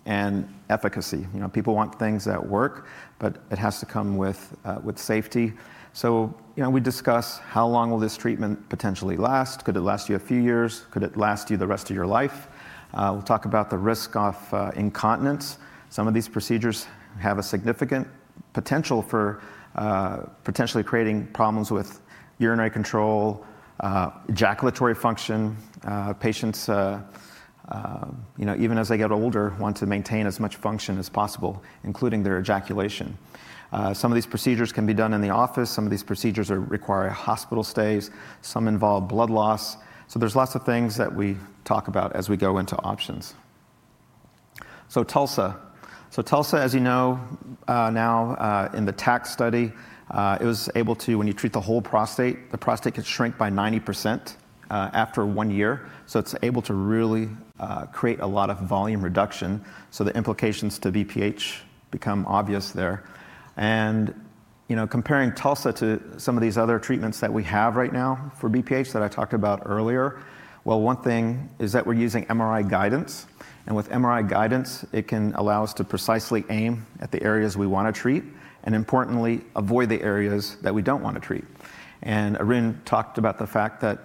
and efficacy. People want things that work. But it has to come with safety. We discuss how long will this treatment potentially last. Could it last you a few years? Could it last you the rest of your life? We'll talk about the risk of incontinence. Some of these procedures have a significant potential for potentially creating problems with urinary control, ejaculatory function. Patients, even as they get older, want to maintain as much function as possible, including their ejaculation. Some of these procedures can be done in the office. Some of these procedures require hospital stays. Some involve blood loss. There's lots of things that we talk about as we go into options. TULSA, as you know, now in the TAC study, it was able to, when you treat the whole prostate, the prostate could shrink by 90% after one year. It is able to really create a lot of volume reduction. The implications to BPH become obvious there. Comparing Tulsa to some of these other treatments that we have right now for BPH that I talked about earlier, one thing is that we are using MRI guidance. With MRI guidance, it can allow us to precisely aim at the areas we want to treat and, importantly, avoid the areas that we do not want to treat. Arun talked about the fact that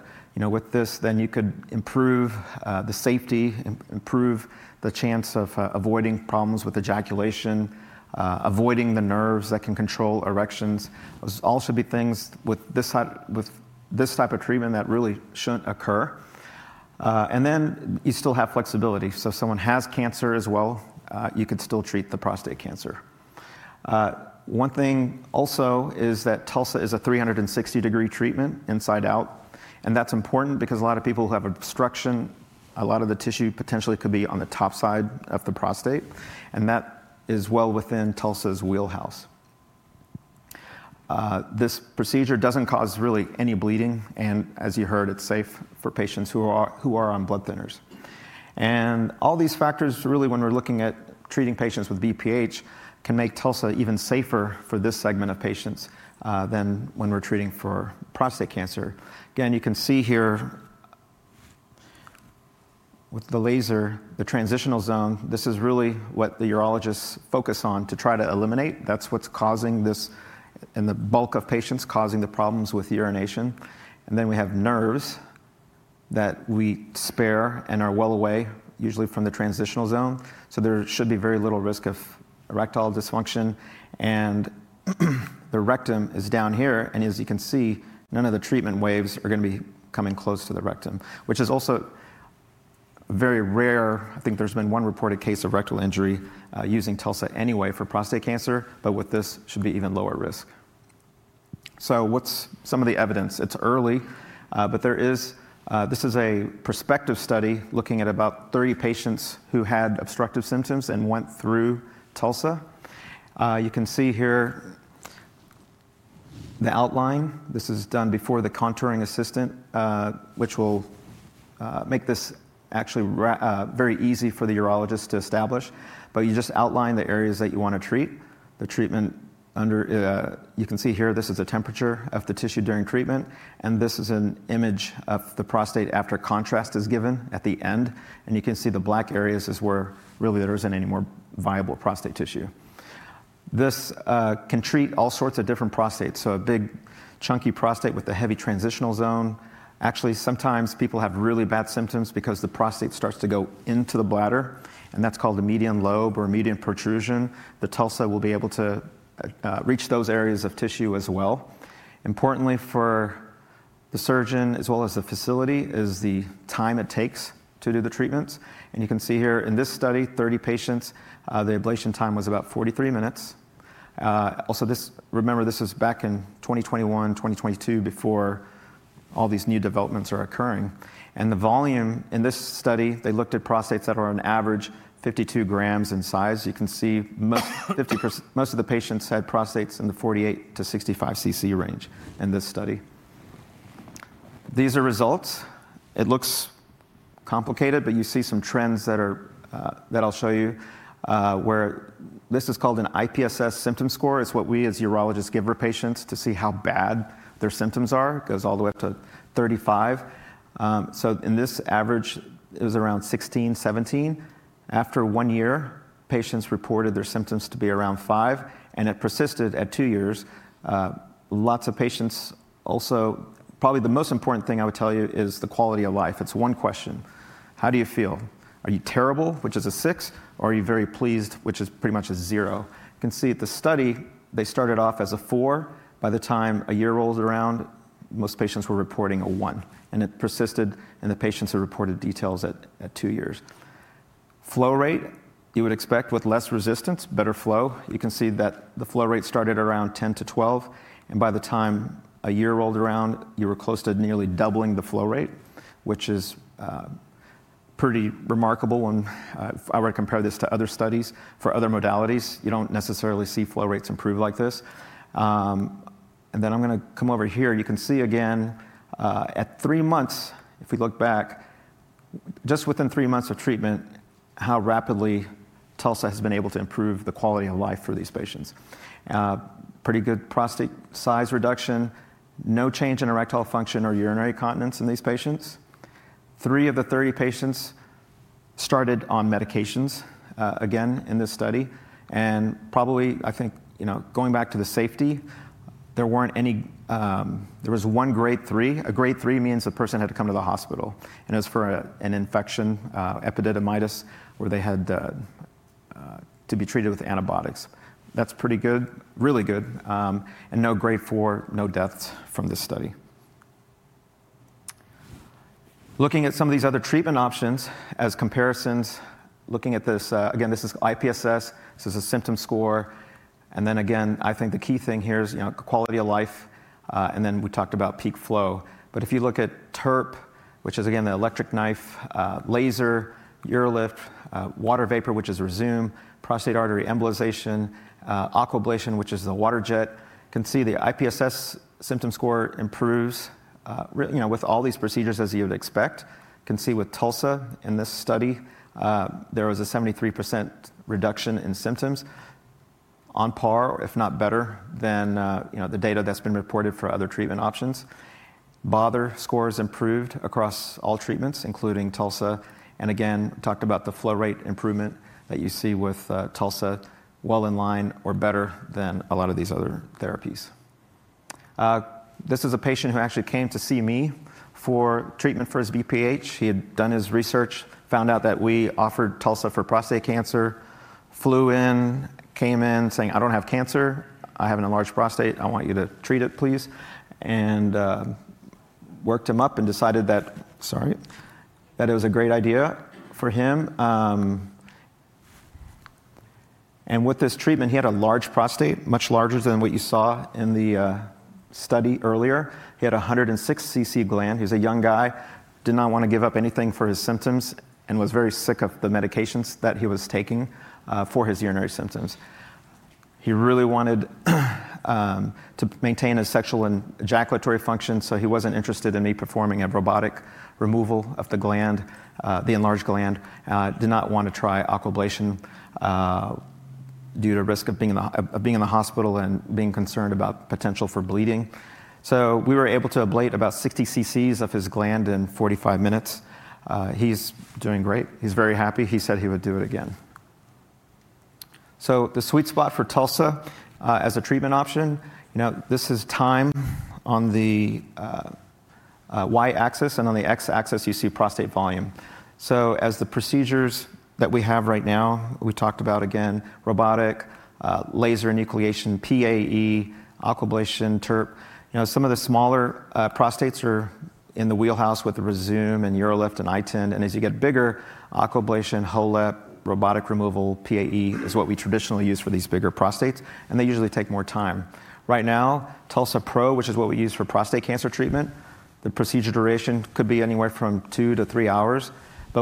with this, you could improve the safety, improve the chance of avoiding problems with ejaculation, avoiding the nerves that can control erections. Those all should be things with this type of treatment that really should not occur. You still have flexibility. If someone has cancer as well, you could still treat the prostate cancer. One thing also is that TULSA is a 360-degree treatment inside out. That is important because a lot of people who have obstruction, a lot of the tissue potentially could be on the top side of the prostate. That is well within TULSA's wheelhouse. This procedure does not cause really any bleeding. As you heard, it is safe for patients who are on blood thinners. All these factors, really, when we are looking at treating patients with BPH, can make TULSA even safer for this segment of patients than when we are treating for prostate cancer. Again, you can see here with the laser, the transitional zone, this is really what the urologists focus on to try to eliminate. That's what's causing this in the bulk of patients, causing the problems with urination. We have nerves that we spare and are well away, usually from the transitional zone. There should be very little risk of erectile dysfunction. The rectum is down here. As you can see, none of the treatment waves are going to be coming close to the rectum, which is also very rare. I think there's been one reported case of rectal injury using TULSA anyway for prostate cancer. With this, it should be even lower risk. What's some of the evidence? It's early. This is a prospective study looking at about 30 patients who had obstructive symptoms and went through TULSA. You can see here the outline. This is done before the contouring assistant, which will make this actually very easy for the urologist to establish. You just outline the areas that you want to treat. You can see here, this is a temperature of the tissue during treatment. This is an image of the prostate after contrast is given at the end. You can see the black areas is where, really, there isn't any more viable prostate tissue. This can treat all sorts of different prostates. A big chunky prostate with a heavy transitional zone. Actually, sometimes people have really bad symptoms because the prostate starts to go into the bladder. That is called a median lobe or median protrusion. The TULSA will be able to reach those areas of tissue as well. Importantly for the surgeon, as well as the facility, is the time it takes to do the treatments. You can see here in this study, 30 patients, the ablation time was about 43 minutes. Also, remember, this is back in 2021, 2022, before all these new developments are occurring. The volume in this study, they looked at prostates that were on average 52 g in size. You can see most of the patients had prostates in the 48 cc-65 cc range in this study. These are results. It looks complicated. You see some trends that I'll show you where this is called an IPSS. It's what we, as urologists, give our patients to see how bad their symptoms are. It goes all the way up to 35. In this average, it was around 16, 17. After one year, patients reported their symptoms to be around five. It persisted at two years. Lots of patients also, probably the most important thing I would tell you is the quality of life. It's one question. How do you feel? Are you terrible, which is a 6, or are you very pleased, which is pretty much a zerofour You can see at the study, they started off as a 4. By the time a year rolls around, most patients were reporting a one. It persisted. The patients have reported details at two years. Flow rate, you would expect with less resistance, better flow. You can see that the flow rate started around 10-12. By the time a year rolled around, you were close to nearly doubling the flow rate, which is pretty remarkable. I would compare this to other studies for other modalities. You don't necessarily see flow rates improve like this. I'm going to come over here. You can see again, at three months, if we look back, just within three months of treatment, how rapidly TULSA has been able to improve the quality of life for these patients. Pretty good prostate size reduction, no change in erectile function or urinary continence in these patients. Three of the 30 patients started on medications again in this study. Probably, I think going back to the safety, there was one Grade 3. A Grade 3 means the person had to come to the hospital. It was for an infection, epididymitis, where they had to be treated with antibiotics. That's pretty good, really good. No Grade 4, no deaths from this study. Looking at some of these other treatment options as comparisons, looking at this, again, this is IPSS. This is a symptom score. I think the key thing here is quality of life. We talked about peak flow. If you look at TURP, which is, again, the electric knife, laser, Urolith, water vapor, which is Rezum, prostate artery embolization, Aquablation, which is the water jet, you can see the IPSS symptom score improves with all these procedures, as you would expect. You can see with TULSA in this study, there was a 73% reduction in symptoms, on par, if not better, than the data that's been reported for other treatment options. Bother scores improved across all treatments, including TULSA. I talked about the flow rate improvement that you see with TULSA, well in line or better than a lot of these other therapies. This is a patient who actually came to see me for treatment for his BPH. He had done his research, found out that we offered TULSA for prostate cancer, flew in, came in saying, "I don't have cancer. I have an enlarged prostate. I want you to treat it, please." I worked him up and decided that it was a great idea for him. With this treatment, he had a large prostate, much larger than what you saw in the study earlier. He had a 106 cc gland. He was a young guy, did not want to give up anything for his symptoms, and was very sick of the medications that he was taking for his urinary symptoms. He really wanted to maintain his sexual and ejaculatory function. He wasn't interested in me performing a robotic removal of the gland, the enlarged gland. Did not want to try Aquablation due to risk of being in the hospital and being concerned about potential for bleeding. We were able to ablate about 60 cc of his gland in 45 minutes. He's doing great. He's very happy. He said he would do it again. The sweet spot for TULSA as a treatment option, this is time on the Y-axis. On the X-axis, you see prostate volume. As the procedures that we have right now, we talked about, again, Robotic, Laser Enucleation, PAE, Aquablation, TURP. Some of the smaller prostates are in the wheelhouse with Rezum and UroLift and iTind. As you get bigger, Aquablation, HoLEP, Robotic removal, PAE is what we traditionally use for these bigger prostates. They usually take more time. Right now, TULSA-PRO, which is what we use for prostate cancer treatment, the procedure duration could be anywhere from two to three hours.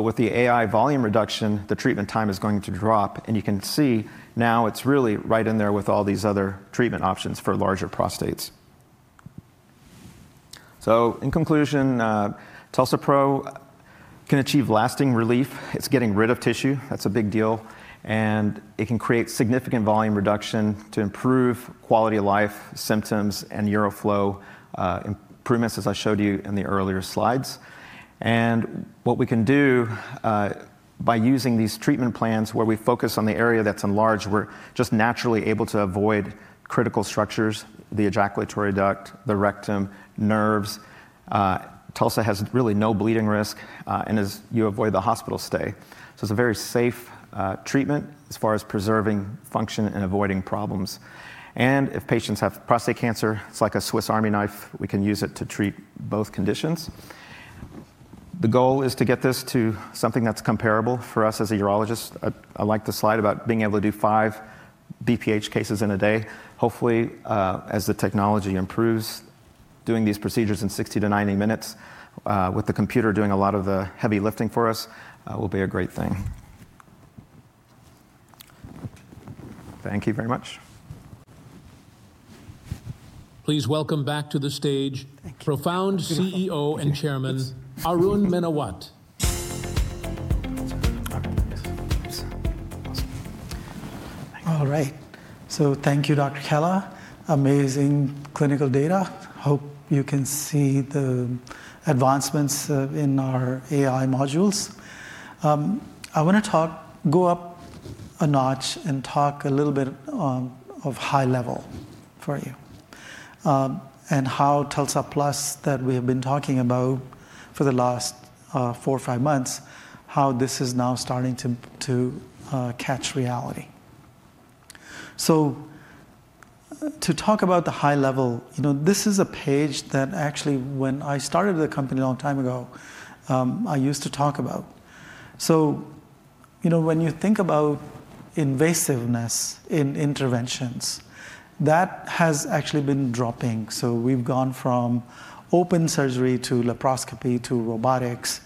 With the AI volume reduction, the treatment time is going to drop. You can see now it is really right in there with all these other treatment options for larger prostates. In conclusion, TULSA-PRO can achieve lasting relief. It is getting rid of tissue. That is a big deal. It can create significant volume reduction to improve quality of life, symptoms, and uroflow improvements, as I showed you in the earlier slides. What we can do by using these treatment plans, where we focus on the area that is enlarged, we are just naturally able to avoid critical structures, the ejaculatory duct, the rectum, nerves. TULSA has really no bleeding risk, and as you avoid the hospital stay. It is a very safe treatment as far as preserving function and avoiding problems. If patients have prostate cancer, it is like a Swiss Army knife. We can use it to treat both conditions. The goal is to get this to something that is comparable for us as a urologist. I like the slide about being able to do five BPH cases in a day. Hopefully, as the technology improves, doing these procedures in 60 minutes-90 minutes with the computer doing a lot of the heavy lifting for us will be a great thing. Thank you very much. Please welcome back to the stage Profound CEO and Chairman Arun Menawat. All right. Thank you, Dr. Kella. Amazing clinical data. Hope you can see the advancements in our AI modules. I want to go up a notch and talk a little bit of high level for you and how TULSA Plus that we have been talking about for the last four or five months, how this is now starting to catch reality. To talk about the high level, this is a page that actually, when I started the company a long time ago, I used to talk about. When you think about invasiveness in interventions, that has actually been dropping. We have gone from open surgery to laparoscopy to robotics.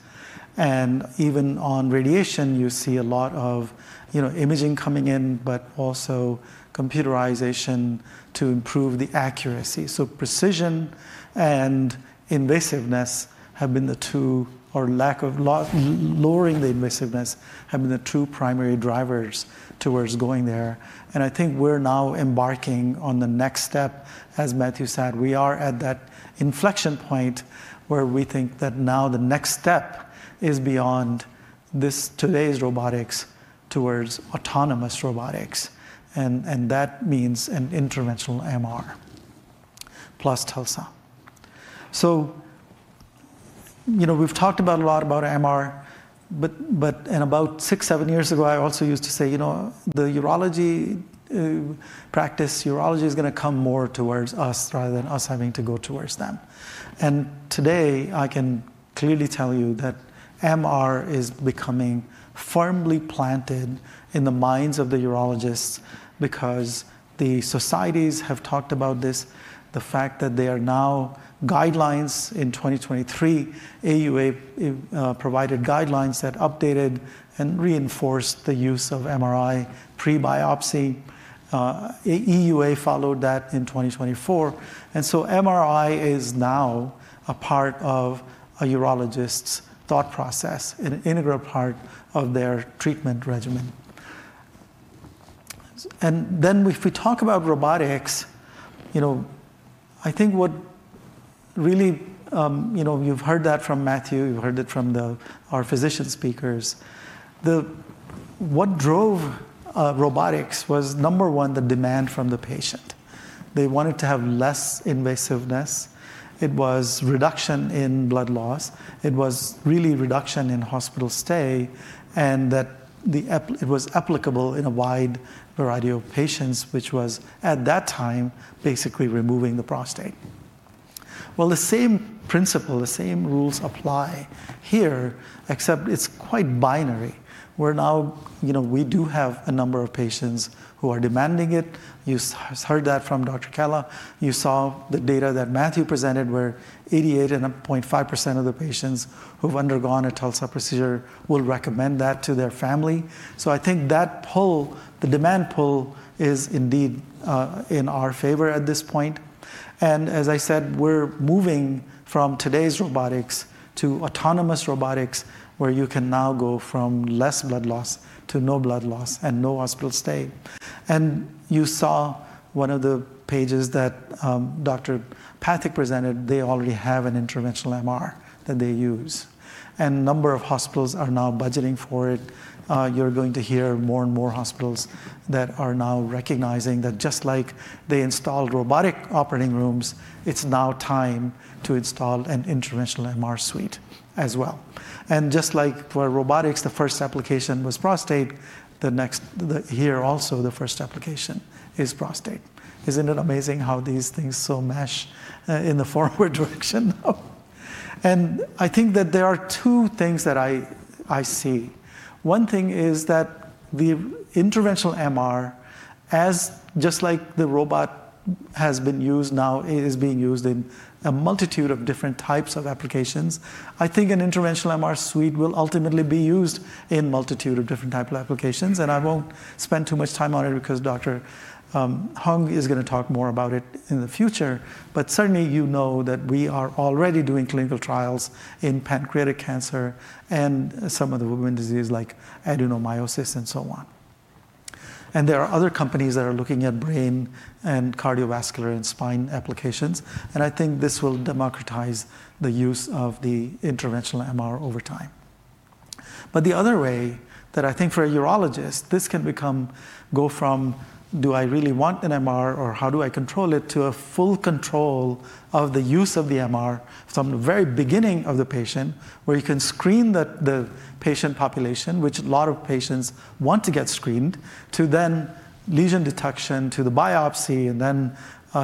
Even on radiation, you see a lot of imaging coming in, but also computerization to improve the accuracy. Precision and invasiveness have been the two, or lack of lowering the invasiveness have been the two primary drivers towards going there. I think we are now embarking on the next step. As Mathieu said, we are at that inflection point where we think that now the next step is beyond today's robotics towards autonomous robotics. That means an interventional MR plus TULSA. We have talked a lot about MR. About six, seven years ago, I also used to say, you know, the urology practice, urology is going to come more towards us rather than us having to go towards them. Today, I can clearly tell you that MR is becoming firmly planted in the minds of the urologists because the societies have talked about this, the fact that they are now guidelines. In 2023, AUA provided guidelines that updated and reinforced the use of MRI pre-biopsy. EUA followed that in 2024. MRI is now a part of a urologist's thought process, an integral part of their treatment regimen. If we talk about robotics, I think what really, you have heard that from Mathieu. You have heard it from our physician speakers. What drove robotics was, number one, the demand from the patient. They wanted to have less invasiveness. It was reduction in blood loss. It was really reduction in hospital stay. It was applicable in a wide variety of patients, which was, at that time, basically removing the prostate. The same principle, the same rules apply here, except it is quite binary. We do have a number of patients who are demanding it. You heard that from Dr. Kella. You saw the data that Mathieu presented where 88.5% of the patients who have undergone a TULSA procedure will recommend that to their family. I think that pull, the demand pull, is indeed in our favor at this point. As I said, we're moving from today's robotics to autonomous robotics, where you can now go from less blood loss to no blood loss and no hospital stay. You saw one of the pages that Dr. Pathak presented. They already have an interventional MR that they use. A number of hospitals are now budgeting for it. You're going to hear more and more hospitals that are now recognizing that just like they installed robotic operating rooms, it's now time to install an interventional MR Suite as well. Just like for robotics, the first application was prostate, here also the first application is prostate. Isn't it amazing how these things so mesh in the forward direction now? I think that there are two things that I see. One thing is that the interventional MR, just like the robot has been used now, is being used in a multitude of different types of applications. I think an interventional MR Suite will ultimately be used in a multitude of different types of applications. I won't spend too much time on it because Dr. Hong is going to talk more about it in the future. Certainly, you know that we are already doing clinical trials in pancreatic cancer and some of the women's diseases like adenomyosis and so on. There are other companies that are looking at brain and cardiovascular and spine applications. I think this will democratize the use of the interventional MR over time. The other way that I think for a urologist, this can become go from, do I really want an MRI, or how do I control it, to a full control of the use of the MRI from the very beginning of the patient, where you can screen the patient population, which a lot of patients want to get screened, to then lesion detection, to the biopsy, and then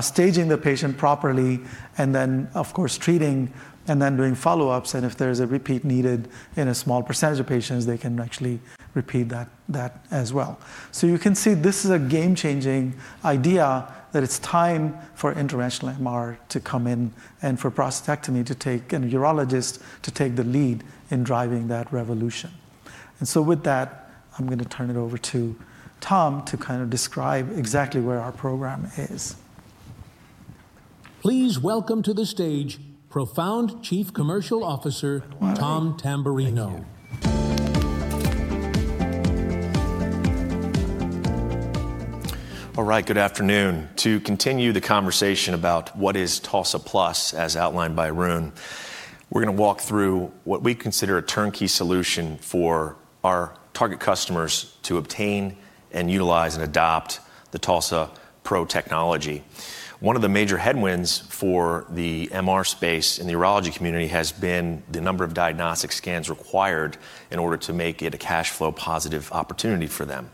staging the patient properly, and then, of course, treating, and then doing follow-ups. If there is a repeat needed in a small percentage of patients, they can actually repeat that as well. You can see this is a game-changing idea that it's time for interventional MR to come in and for prostatectomy to take and urologists to take the lead in driving that revolution. With that, I'm going to turn it over to Tom to kind of describe exactly where our program is. Please welcome to the stage Profound Chief Commercial Officer Tom Tamberrino. All right, good afternoon. To continue the conversation about what is TULSA Plus, as outlined by Arun, we're going to walk through what we consider a turnkey solution for our target customers to obtain and utilize and adopt the TULSA-PRO technology. One of the major headwinds for the MRI space in the urology community has been the number of diagnostic scans required in order to make it a cash flow positive opportunity for them.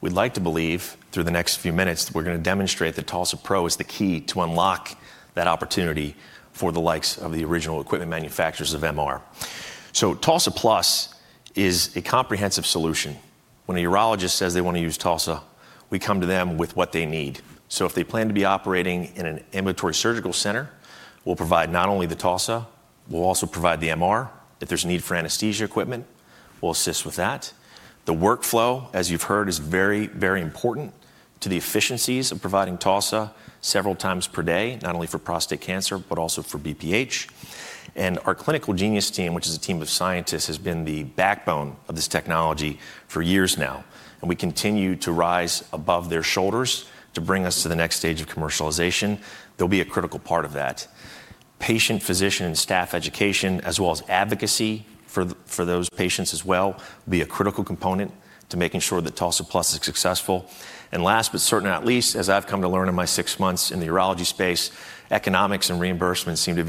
We'd like to believe through the next few minutes that we're going to demonstrate that TULSA-PRO is the key to unlock that opportunity for the likes of the original equipment manufacturers of MRI. TULSA Plus is a comprehensive solution. When a urologist says they want to use TULSA, we come to them with what they need. If they plan to be operating in an ambulatory surgical center, we will provide not only the TULSA, we will also provide the MR. If there is need for anesthesia equipment, we will assist with that. The workflow, as you have heard, is very, very important to the efficiencies of providing TULSA several times per day, not only for prostate cancer, but also for BPH. Our clinical genius team, which is a team of scientists, has been the backbone of this technology for years now. We continue to rise above their shoulders to bring us to the next stage of commercialization. They will be a critical part of that. Patient, physician, and staff education, as well as advocacy for those patients as well, will be a critical component to making sure that TULSA Plus is successful. Last but certainly not least, as I've come to learn in my six months in the urology space, economics and reimbursements seem to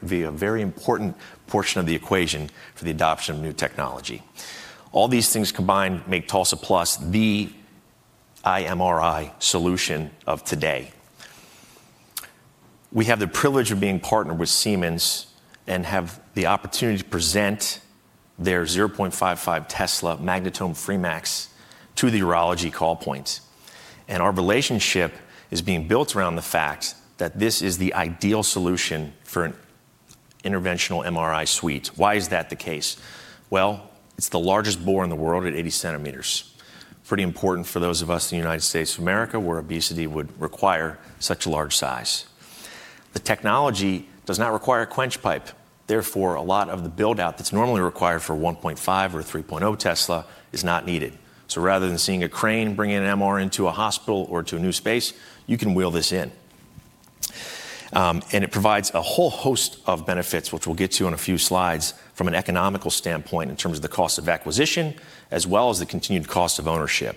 be a very important portion of the equation for the adoption of new technology. All these things combined make TULSA Plus the iMRI solution of today. We have the privilege of being partnered with Siemens and have the opportunity to present their 0.55 Tesla MAGNETOM Free.Max to the urology call points. Our relationship is being built around the fact that this is the ideal solution for an interventional MRI Suite. Why is that the case? It is the largest bore in the world at 80 cm. Pretty important for those of us in the U.S. of America where obesity would require such a large size. The technology does not require a quench pipe. Therefore, a lot of the build-out that's normally required for a 1.5 or a 3.0 Tesla is not needed. Rather than seeing a crane bring in an MR into a hospital or to a new space, you can wheel this in. It provides a whole host of benefits, which we'll get to in a few slides, from an economical standpoint in terms of the cost of acquisition, as well as the continued cost of ownership.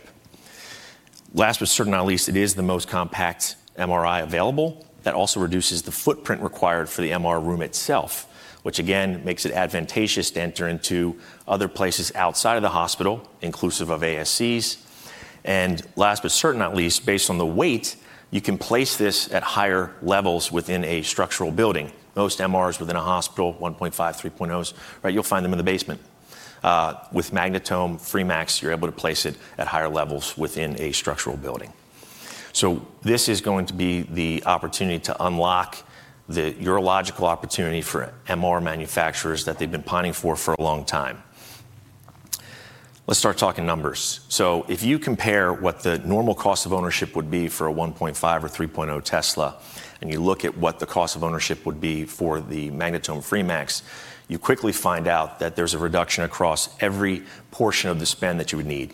Last but certainly not least, it is the most compact MRI available that also reduces the footprint required for the MR room itself, which again makes it advantageous to enter into other places outside of the hospital, inclusive of ASCs. Last but certainly not least, based on the weight, you can place this at higher levels within a structural building. Most MRs within a hospital, 1.5, 3.0s, you'll find them in the basement. With MAGNETOM Free.Max, you're able to place it at higher levels within a structural building. This is going to be the opportunity to unlock the urological opportunity for MR manufacturers that they've been pining for for a long time. Let's start talking numbers. If you compare what the normal cost of ownership would be for a 1.5 or 3.0 Tesla, and you look at what the cost of ownership would be for the MAGNETOM Free.Max, you quickly find out that there's a reduction across every portion of the spend that you would need.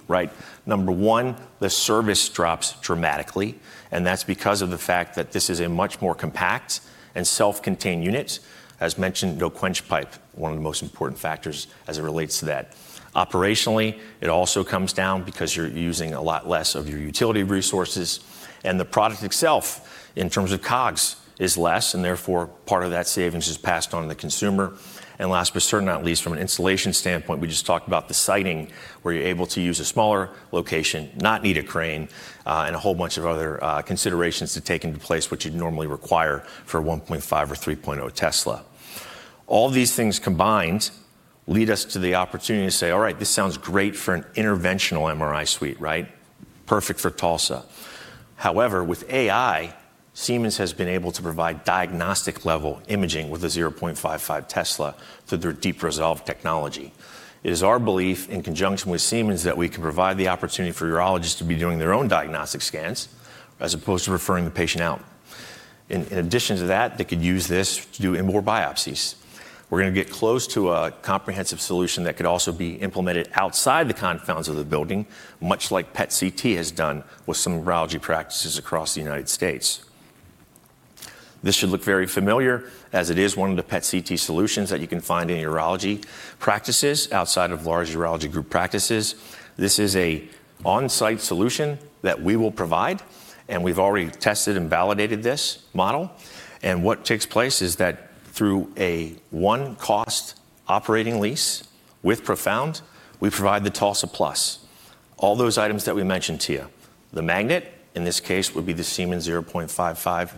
Number one, the service drops dramatically. That's because of the fact that this is a much more compact and self-contained unit. As mentioned, no quench pipe, one of the most important factors as it relates to that. Operationally, it also comes down because you're using a lot less of your utility resources. The product itself, in terms of COGS, is less. Therefore, part of that savings is passed on to the consumer. Last but certainly not least, from an installation standpoint, we just talked about the siting where you're able to use a smaller location, not need a crane, and a whole bunch of other considerations to take into place which you'd normally require for a 1.5 or 3.0 Tesla. All these things combined lead us to the opportunity to say, "All right, this sounds great for an interventional MRI Suite, right? Perfect for TULSA." However, with AI, Siemens has been able to provide diagnostic-level imaging with a 0.55 Tesla through their deep-resolve technology. It is our belief, in conjunction with Siemens, that we can provide the opportunity for urologists to be doing their own diagnostic scans as opposed to referring the patient out. In addition to that, they could use this to do more biopsies. We are going to get close to a comprehensive solution that could also be implemented outside the confines of the building, much like PET/CT has done with some urology practices across the U.S. This should look very familiar as it is one of the PET/CT solutions that you can find in urology practices outside of large urology group practices. This is an on-site solution that we will provide. We have already tested and validated this model. What takes place is that through a one-cost operating lease with Profound, we provide the TULSA Plus. All those items that we mentioned to you. The magnet, in this case, would be the Siemens 0.55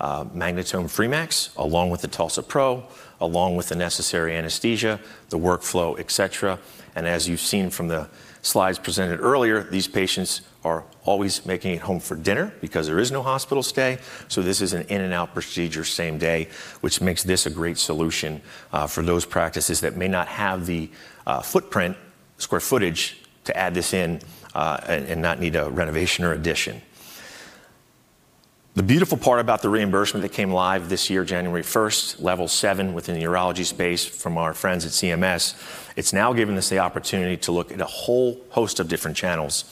MAGNETOM Free.Max, along with the TULSA-PRO, along with the necessary anesthesia, the workflow, etc. As you have seen from the slides presented earlier, these patients are always making it home for dinner because there is no hospital stay. This is an in-and-out procedure same day, which makes this a great solution for those practices that may not have the square footage to add this in and not need a renovation or addition. The beautiful part about the reimbursement that came live this year, January 1st, level seven within the urology space from our friends at CMS, it has now given us the opportunity to look at a whole host of different channels.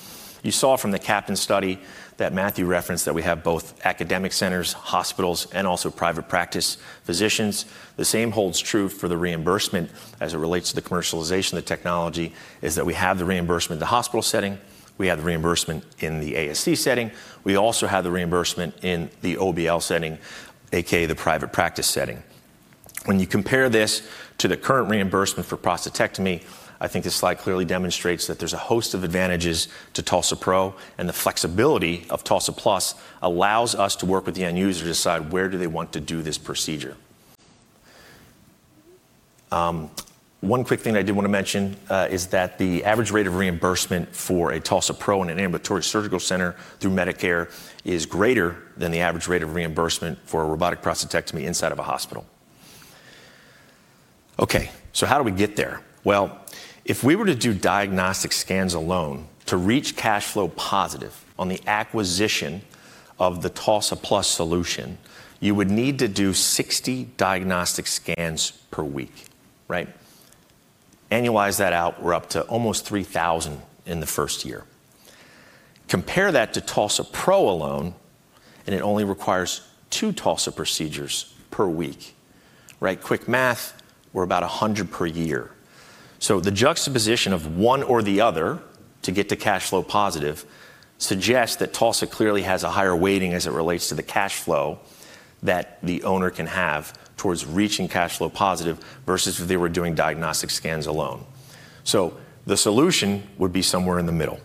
You saw from the CAPTAIN study that Mathieu referenced that we have both academic centers, hospitals, and also private practice physicians. The same holds true for the reimbursement as it relates to the commercialization of the technology, is that we have the reimbursement in the hospital setting. We have the reimbursement in the ASC setting. We also have the reimbursement in the OBL setting, a.k.a. the private practice setting. When you compare this to the current reimbursement for prostatectomy, I think this slide clearly demonstrates that there's a host of advantages to TULSA-PRO. And the flexibility of TULSA Plus allows us to work with the end user to decide where do they want to do this procedure. One quick thing I did want to mention is that the average rate of reimbursement for a TULSA-PRO in an ambulatory surgical center through Medicare is greater than the average rate of reimbursement for a robotic prostatectomy inside of a hospital. Okay, so how do we get there? If we were to do diagnostic scans alone to reach cash flow positive on the acquisition of the TULSA Plus solution, you would need to do 60 diagnostic scans per week. Annualize that out, we're up to almost 3,000 in the first year. Compare that to TULSA-PRO alone, and it only requires two TULSA procedures per week. Quick math, we're about 100 per year. The juxtaposition of one or the other to get to cash flow positive suggests that TULSA clearly has a higher weighting as it relates to the cash flow that the owner can have towards reaching cash flow positive versus if they were doing diagnostic scans alone. The solution would be somewhere in the middle.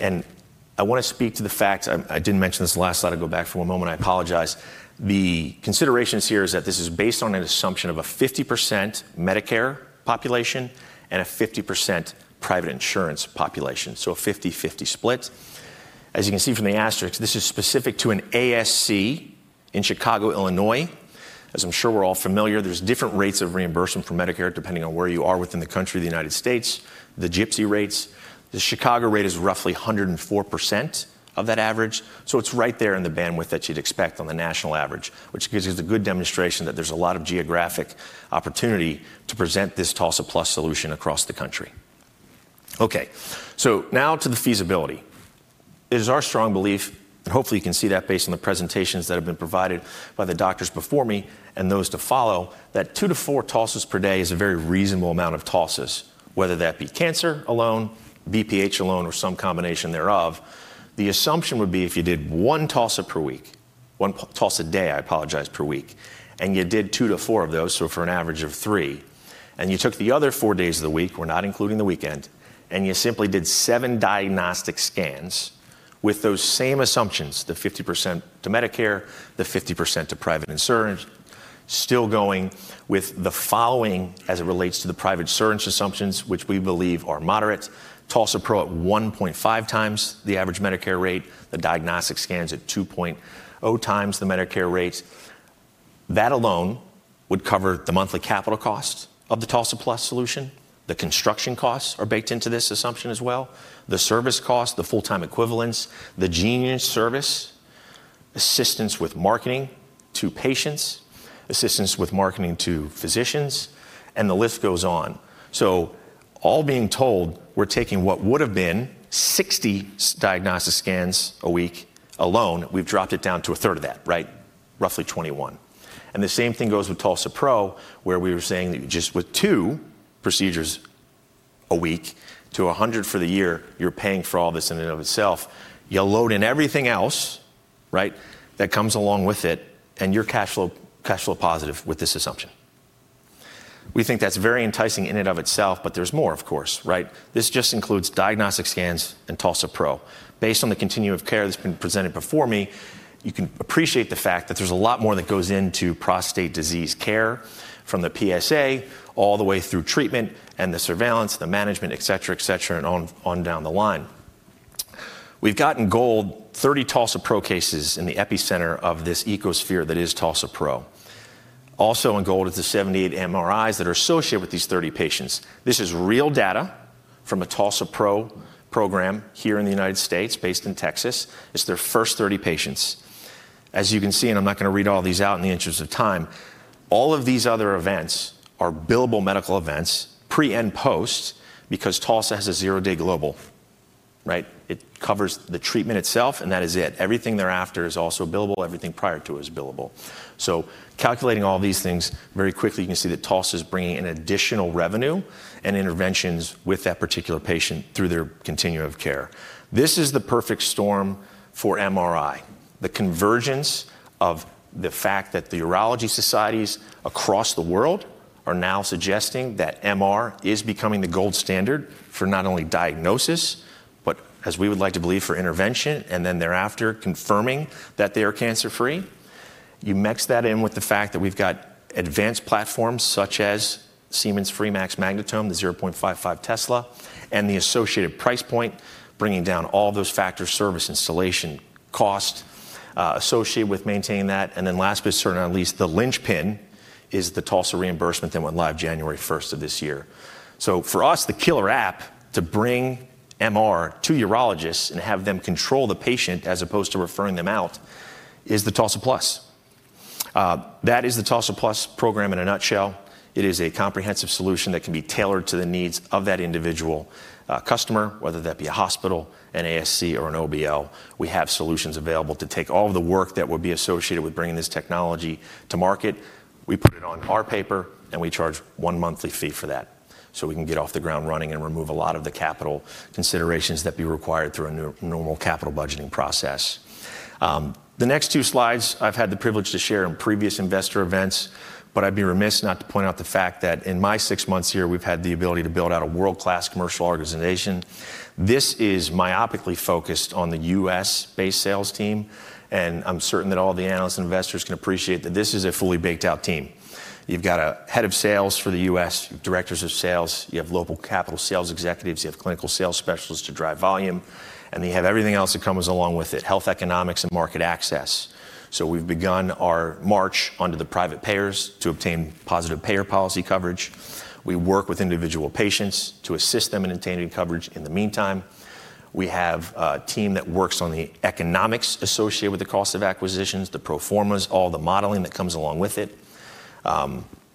I want to speak to the facts I did not mention this last slide. I'll go back for one moment. I apologize. The considerations here is that this is based on an assumption of a 50% Medicare population and a 50% private insurance population. So a 50/50 split. As you can see from the asterisk, this is specific to an ASC in Chicago, Illinois. As I'm sure we're all familiar, there's different rates of reimbursement for Medicare depending on where you are within the country, the U.S., the gypsy rates. The Chicago rate is roughly 104% of that average. So it's right there in the bandwidth that you'd expect on the national average, which gives us a good demonstration that there's a lot of geographic opportunity to present this TULSA Plus solution across the country. Okay, so now to the feasibility. It is our strong belief, and hopefully you can see that based on the presentations that have been provided by the doctors before me and those to follow, that two to four Tulsas per day is a very reasonable amount of Tulsas, whether that be cancer alone, BPH alone, or some combination thereof. The assumption would be if you did one Tulsa per week, one Tulsa day, I apologize, per week, and you did two to four of those, so for an average of three, and you took the other four days of the week, we're not including the weekend, and you simply did seven diagnostic scans with those same assumptions, the 50% to Medicare, the 50% to private insurance, still going with the following as it relates to the private insurance assumptions, which we believe are moderate. TULSA-PRO at 1.5 times the average Medicare rate, the diagnostic scans at 2.0 times the Medicare rate. That alone would cover the monthly capital cost of the TULSA Plus solution. The construction costs are baked into this assumption as well. The service cost, the full-time equivalence, the Genius service, assistance with marketing to patients, assistance with marketing to physicians, and the list goes on. All being told, we're taking what would have been 60 diagnostic scans a week alone. We've dropped it down to a third of that, roughly 21. The same thing goes with TULSA-PRO, where we were saying that just with two procedures a week to 100 for the year, you're paying for all this in and of itself. You load in everything else that comes along with it, and you're cash flow positive with this assumption. We think that's very enticing in and of itself, but there's more, of course. This just includes diagnostic scans and TULSA-PRO. Based on the continuum of care that's been presented before me, you can appreciate the fact that there's a lot more that goes into prostate disease care from the PSA all the way through treatment and the surveillance, the management, etc., etc., and on down the line. We've got in gold 30 TULSA-PRO cases in the epicenter of this ecosphere that is TULSA-PRO. Also in gold is the 78 MRIs that are associated with these 30 patients. This is real data from a TULSA-PRO program here in the United States based in Texas. It's their first 30 patients. As you can see, and I'm not going to read all these out in the interest of time, all of these other events are billable medical events, pre and post, because TULSA has a zero-day global. It covers the treatment itself, and that is it. Everything thereafter is also billable. Everything prior to it is billable. Calculating all these things very quickly, you can see that TULSA is bringing in additional revenue and interventions with that particular patient through their continuum of care. This is the perfect storm for MRI. The convergence of the fact that the urology societies across the world are now suggesting that MR is becoming the gold standard for not only diagnosis, but as we would like to believe, for intervention, and then thereafter confirming that they are cancer-free. You mix that in with the fact that we've got advanced platforms such as Siemens MAGNETOM Free.Max, the 0.55 Tesla, and the associated price point, bringing down all those factors, service, installation cost associated with maintaining that. Last but certainly not least, the linchpin is the TULSA reimbursement that went live January 1st of this year. For us, the killer app to bring MR to urologists and have them control the patient as opposed to referring them out is the TULSA Plus. That is the TULSA Plus program in a nutshell. It is a comprehensive solution that can be tailored to the needs of that individual customer, whether that be a hospital, an ASC, or an OBL. We have solutions available to take all of the work that would be associated with bringing this technology to market. We put it on our paper, and we charge one monthly fee for that. We can get off the ground running and remove a lot of the capital considerations that be required through a normal capital budgeting process. The next two slides, I've had the privilege to share in previous investor events, but I'd be remiss not to point out the fact that in my six months here, we've had the ability to build out a world-class commercial organization. This is myopically focused on the US-based sales team. I'm certain that all the analysts and investors can appreciate that this is a fully baked-out team. You've got a Head of Sales for the U.S., Directors of Sales, you have local capital Sales Executives, you have clinical Ssales Specialists to drive volume, and they have everything else that comes along with it, health economics and market access. We have begun our march onto the private payers to obtain positive payer policy coverage. We work with individual patients to assist them in obtaining coverage in the meantime. We have a team that works on the economics associated with the cost of acquisitions, the pro formas, all the modeling that comes along with it.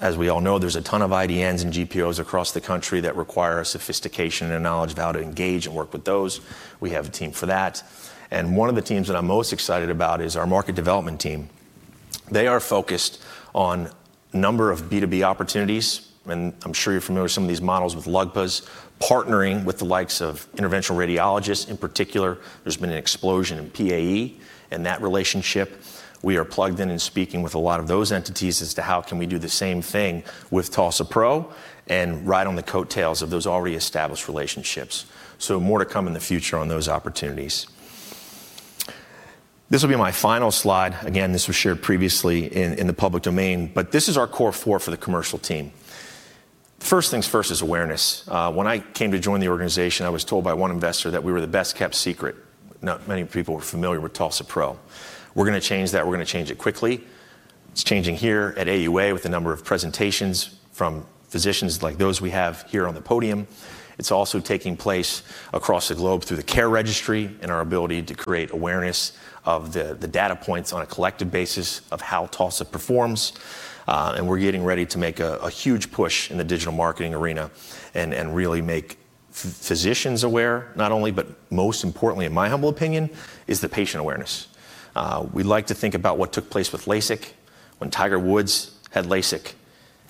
As we all know, there is a ton of IDNs and GPOs across the country that require sophistication and knowledge of how to engage and work with those. We have a team for that. One of the teams that I am most excited about is our market development team. They are focused on a number of B2B opportunities. I am sure you are familiar with some of these models with LUGPA's partnering with the likes of interventional radiologists. In particular, there has been an explosion in PAE and that relationship. We are plugged in and speaking with a lot of those entities as to how can we do the same thing with TULSA-PRO and ride on the coattails of those already established relationships. More to come in the future on those opportunities. This will be my final slide. Again, this was shared previously in the public domain, but this is our core four for the commercial team. First things first is awareness. When I came to join the organization, I was told by one investor that we were the best-kept secret. Not many people were familiar with TULSA-PRO. We're going to change that. We're going to change it quickly. It's changing here at AUA with a number of presentations from physicians like those we have here on the podium. It's also taking place across the globe through the CARE Registry and our ability to create awareness of the data points on a collective basis of how TULSA performs. We're getting ready to make a huge push in the digital marketing arena and really make physicians aware, not only, but most importantly, in my humble opinion, is the patient awareness. We'd like to think about what took place with LASIK when Tiger Woods had LASIK.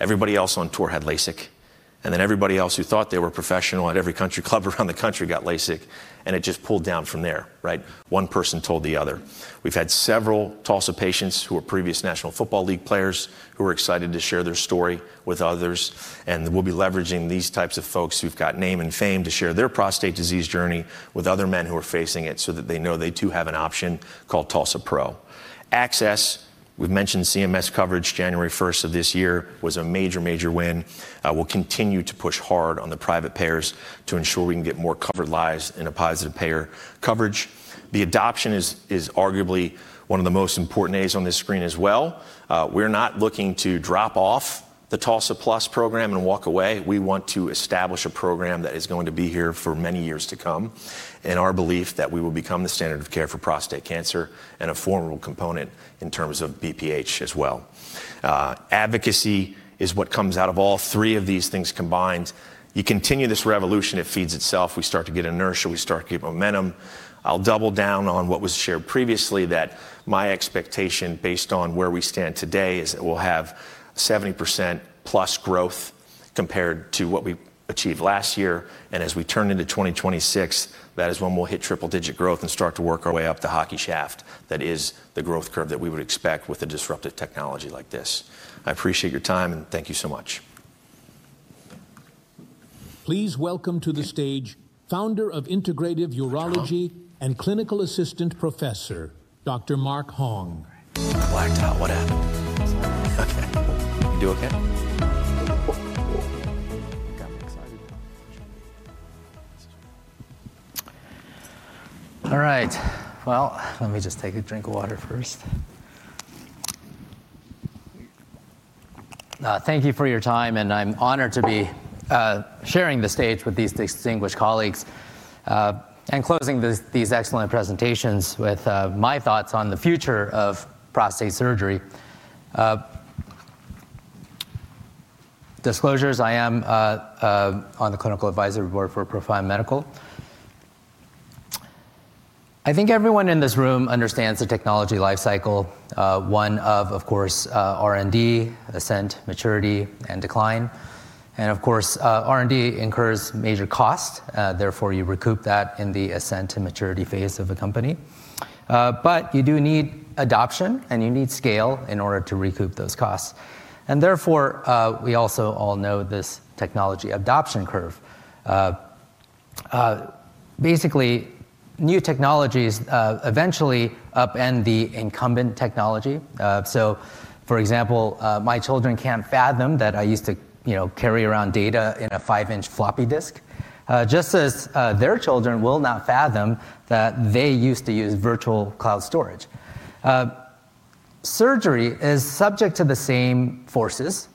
Everybody else on tour had LASIK. Then everybody else who thought they were professional at every country club around the country got LASIK. It just pulled down from there. One person told the other. We've had several TULSA patients who are previous National Football League players who are excited to share their story with others. We will be leveraging these types of folks who've got name and fame to share their prostate disease journey with other men who are facing it so that they know they too have an option called TULSA-PRO. Access, we've mentioned CMS coverage January 1st of this year was a major, major win. We'll continue to push hard on the private payers to ensure we can get more covered lives and a positive payer coverage. The adoption is arguably one of the most important days on this screen as well. We're not looking to drop off the TULSA Plus program and walk away. We want to establish a program that is going to be here for many years to come in our belief that we will become the standard of care for prostate cancer and a formal component in terms of BPH as well. Advocacy is what comes out of all three of these things combined. You continue this revolution, it feeds itself. We start to get inertia. We start to get momentum. I'll double down on what was shared previously that my expectation based on where we stand today is that we'll have 70%+ growth compared to what we achieved last year. As we turn into 2026, that is when we'll hit triple-digit growth and start to work our way up the hockey shaft. That is the growth curve that we would expect with a disruptive technology like this. I appreciate your time, and thank you so much. Please welcome to the stage Founder of Integrative Urology and Clinical Assistant Professor, Dr. Mark Hong. Blacked out. What happened? Okay. You do okay? All right. Let me just take a drink of water first. Thank you for your time, and I'm honored to be sharing the stage with these distinguished colleagues and closing these excellent presentations with my thoughts on the future of prostate surgery. Disclosures, I am on the clinical advisory board for Profound Medical. I think everyone in this room understands the technology lifecycle, one of, of course, R&D, ascent, maturity, and decline. R&D incurs major costs. Therefore, you recoup that in the ascent and maturity phase of a company. You do need adoption, and you need scale in order to recoup those costs. We also all know this technology adoption curve. Basically, new technologies eventually upend the incumbent technology. For example, my children can't fathom that I used to carry around data in a five-inch floppy disk, just as their children will not fathom that they used to use virtual cloud storage. Surgery is subject to the same forces,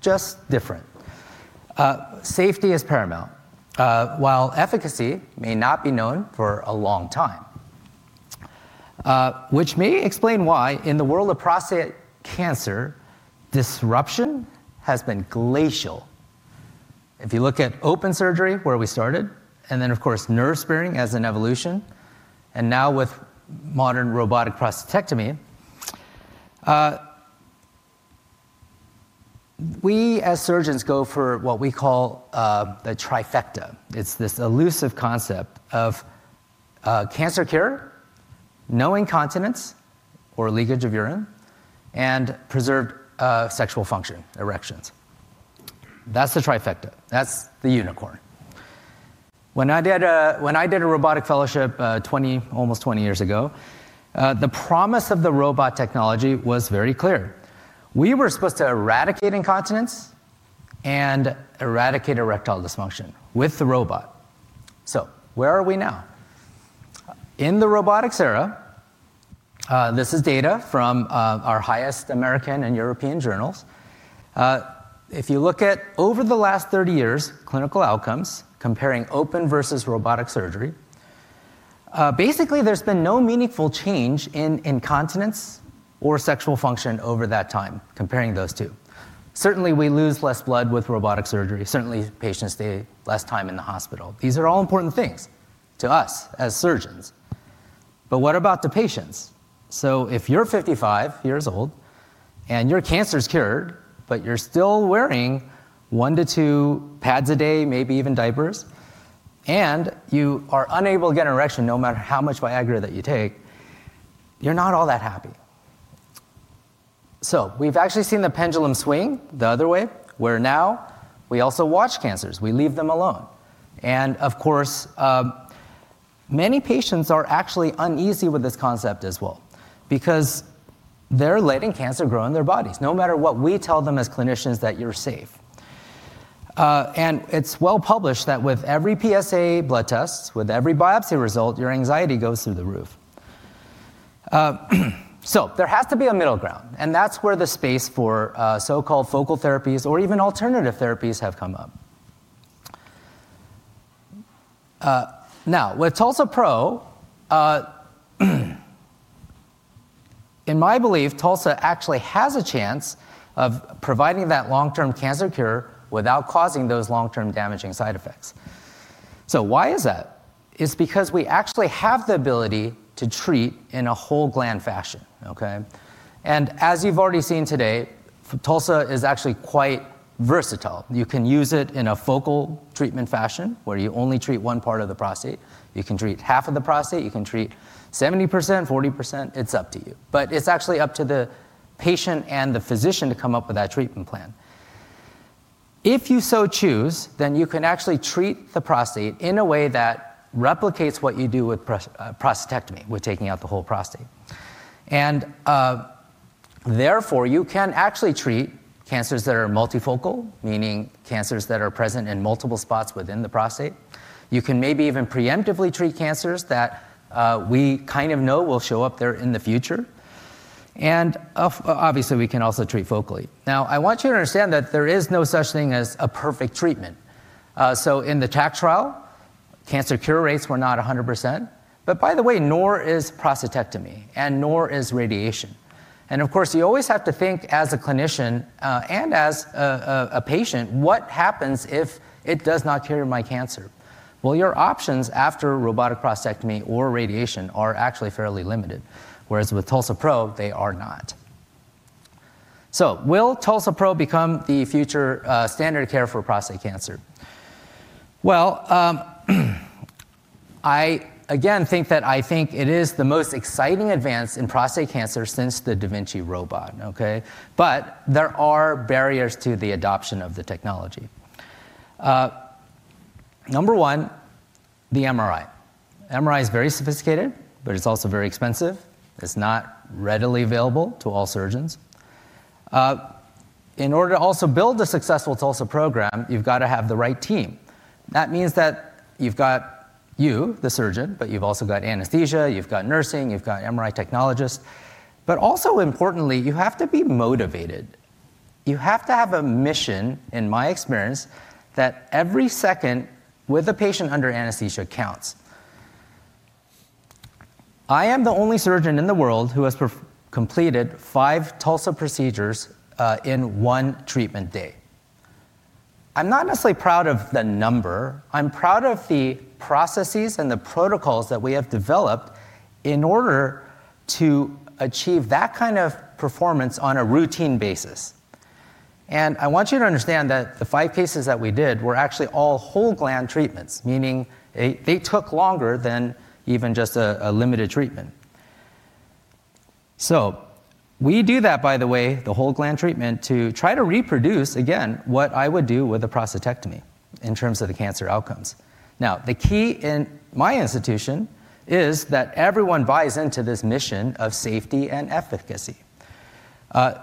just different. Safety is paramount, while efficacy may not be known for a long time, which may explain why in the world of prostate cancer, disruption has been glacial. If you look at open surgery, where we started, and then of course, nerve sparing as an evolution, and now with modern robotic prostatectomy, we as surgeons go for what we call the trifecta. It's this elusive concept of cancer care, no incontinence or leakage of urine, and preserved sexual function, erections. That's the trifecta. That's the unicorn. When I did a robotic fellowship almost 20 years ago, the promise of the robot technology was very clear. We were supposed to eradicate incontinence and eradicate erectile dysfunction with the robot. So where are we now? In the robotics era, this is data from our highest American and European journals. If you look at over the last 30 years' clinical outcomes comparing open versus robotic surgery, basically, there's been no meaningful change in incontinence or sexual function over that time comparing those two. Certainly, we lose less blood with robotic surgery. Certainly, patients stay less time in the hospital. These are all important things to us as surgeons. What about the patients? If you're 55 years old and your cancer's cured, but you're still wearing one to two pads a day, maybe even diapers, and you are unable to get an erection no matter how much Viagra that you take, you're not all that happy. We've actually seen the pendulum swing the other way, where now we also watch cancers. We leave them alone. Of course, many patients are actually uneasy with this concept as well because they're letting cancer grow in their bodies no matter what we tell them as clinicians that you're safe. It is well published that with every PSA blood test, with every biopsy result, your anxiety goes through the roof. There has to be a middle ground, and that's where the space for so-called focal therapies or even alternative therapies have come up. Now, with TULSA-PRO, in my belief, TULSA actually has a chance of providing that long-term cancer cure without causing those long-term damaging side effects. Why is that? It's because we actually have the ability to treat in a whole gland fashion. As you've already seen today, TULSA is actually quite versatile. You can use it in a focal treatment fashion where you only treat one part of the prostate. You can treat half of the prostate. You can treat 70%, 40%. It's up to you. It is actually up to the patient and the physician to come up with that treatment plan. If you so choose, you can actually treat the prostate in a way that replicates what you do with prostatectomy, with taking out the whole prostate. Therefore, you can actually treat cancers that are multifocal, meaning cancers that are present in multiple spots within the prostate. You can maybe even preemptively treat cancers that we kind of know will show up there in the future. Obviously, we can also treat focally. I want you to understand that there is no such thing as a perfect treatment. In the TAT trial, cancer cure rates were not 100%. By the way, nor is prostatectomy, and nor is radiation. Of course, you always have to think as a clinician and as a patient, what happens if it does not cure my cancer? Your options after robotic prostatectomy or radiation are actually fairly limited, whereas with TULSA-PRO, they are not. Will TULSA-PRO become the future standard of care for prostate cancer? I again think that I think it is the most exciting advance in prostate cancer since the Da Vinci robot. There are barriers to the adoption of the technology. Number one, the MRI. MRI is very sophisticated, but it is also very expensive. It is not readily available to all surgeons. In order to also build a successful TULSA program, you have got to have the right team. That means that you have got you, the surgeon, but you have also got anesthesia, you have got nursing, you got MRI Technologists. Also importantly, you have to be motivated. You have to have a mission, in my experience, that every second with a patient under anesthesia counts. I am the only surgeon in the world who has completed five TULSA procedures in one treatment day. I'm not necessarily proud of the number. I'm proud of the processes and the protocols that we have developed in order to achieve that kind of performance on a routine basis. I want you to understand that the five cases that we did were actually all whole gland treatments, meaning they took longer than even just a limited treatment. We do that, by the way, the whole gland treatment, to try to reproduce, again, what I would do with a prostatectomy in terms of the cancer outcomes. Now, the key in my institution is that everyone buys into this mission of safety and efficacy.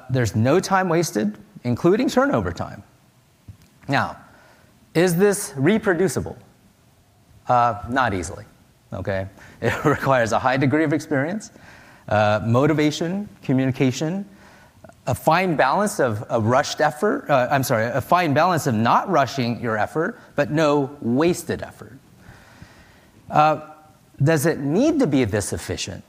There's no time wasted, including turnover time. Now, is this reproducible? Not easily. It requires a high degree of experience, motivation, communication, a fine balance of rushed effort. I'm sorry, a fine balance of not rushing your effort, but no wasted effort. Does it need to be this efficient?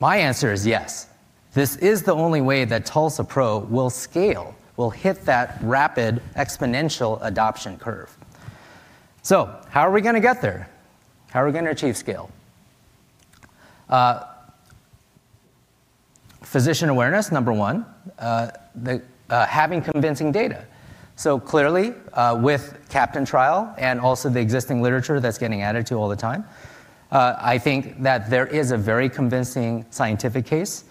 My answer is yes. This is the only way that TULSA-PRO will scale, will hit that rapid exponential adoption curve. How are we going to get there? How are we going to achieve scale? Physician awareness, number one, having convincing data. Clearly, with CAPTAIN trial and also the existing literature that's getting added to all the time, I think that there is a very convincing scientific case.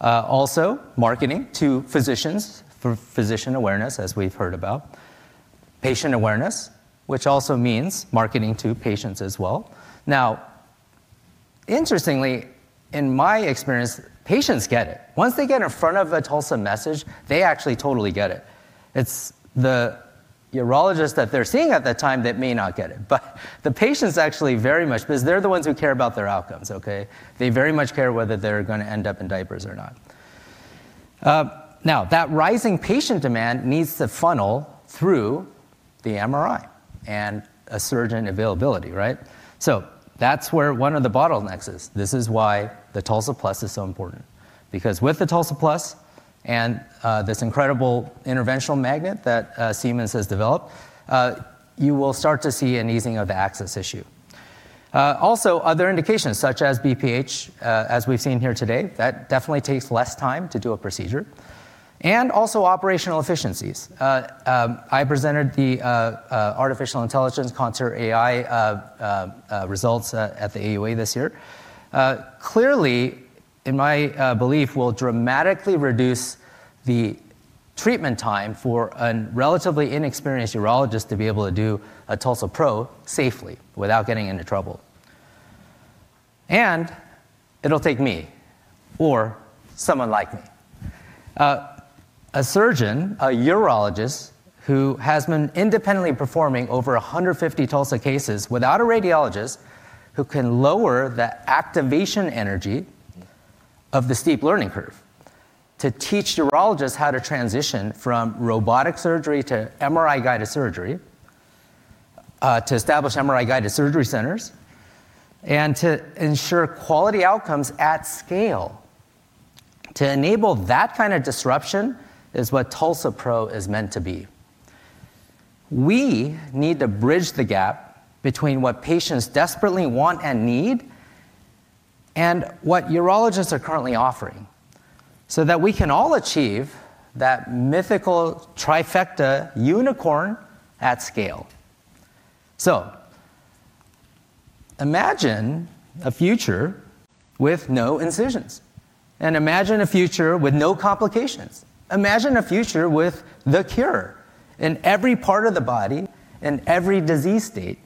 Also, marketing to physicians for physician awareness, as we've heard about. Patient awareness, which also means marketing to patients as well. Interestingly, in my experience, patients get it. Once they get in front of a TULSA message, they actually totally get it. It's the urologist that they're seeing at that time that may not get it. The patients actually very much because they're the ones who care about their outcomes. They very much care whether they're going to end up in diapers or not. Now, that rising patient demand needs to funnel through the MRI and a surgeon availability. That's where one of the bottlenecks is. This is why the TULSA Plus is so important. Because with the TULSA Plus and this incredible interventional magnet that Siemens has developed, you will start to see an easing of the access issue. Also, other indications such as BPH, as we've seen here today, that definitely takes less time to do a procedure. Also, operational efficiencies. I presented the artificial intelligence, Contour AI results at the AUA this year. Clearly, in my belief, will dramatically reduce the treatment time for a relatively inexperienced urologist to be able to do a TULSA-PRO safely without getting into trouble. It will take me or someone like me, a surgeon, a urologist who has been independently performing over 150 TULSA cases without a radiologist, who can lower the activation energy of the steep learning curve to teach urologists how to transition from robotic surgery to MRI-guided surgery, to establish MRI-guided surgery centers, and to ensure quality outcomes at scale. To enable that kind of disruption is what TULSA-PRO is meant to be. We need to bridge the gap between what patients desperately want and need and what urologists are currently offering so that we can all achieve that mythical trifecta unicorn at scale. Imagine a future with no incisions. Imagine a future with no complications. Imagine a future with the cure in every part of the body and every disease state.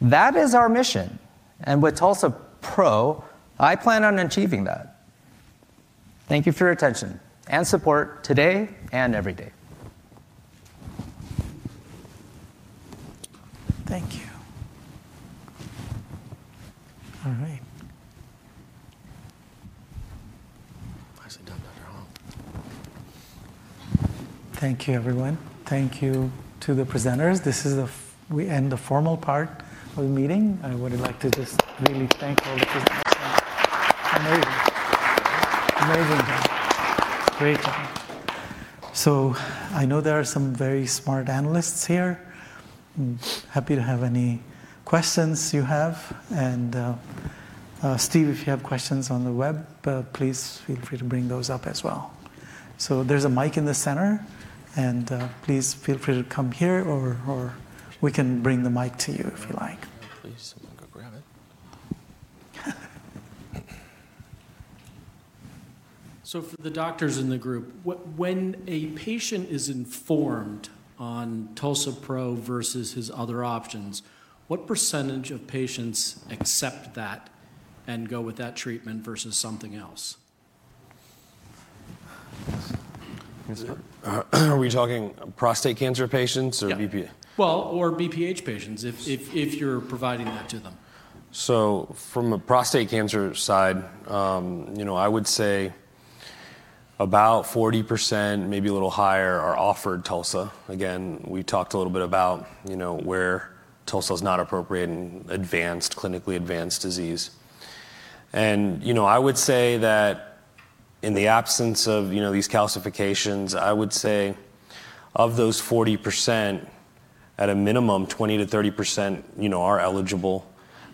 That is our mission. And with TULSA-PRO, I plan on achieving that. Thank you for your attention and support today and every day. Thank you. All right. I said done, Dr. Holmes. Thank you, everyone. Thank you to the presenters. This is the formal part of the meeting. I would like to just really thank all the presenters. Amazing. Amazing. Great job. I know there are some very smart analysts here. Happy to have any questions you have. And Steve, if you have questions on the web, please feel free to bring those up as well. There is a mic in the center. Please feel free to come here, or we can bring the mic to you if you like. Please, someone go grab it. For the doctors in the group, when a patient is informed on TULSA-PRO versus his other options, what percentage of patients accept that and go with that treatment versus something else? Are we talking prostate cancer patients or BPH? Or BPH patients if you're providing that to them. From a prostate cancer side, I would say about 40%, maybe a little higher, are offered TULSA. Again, we talked a little bit about where TULSA is not appropriate in advanced, clinically advanced disease. I would say that in the absence of these calcifications, I would say of those 40%, at a minimum, 20%-30% are eligible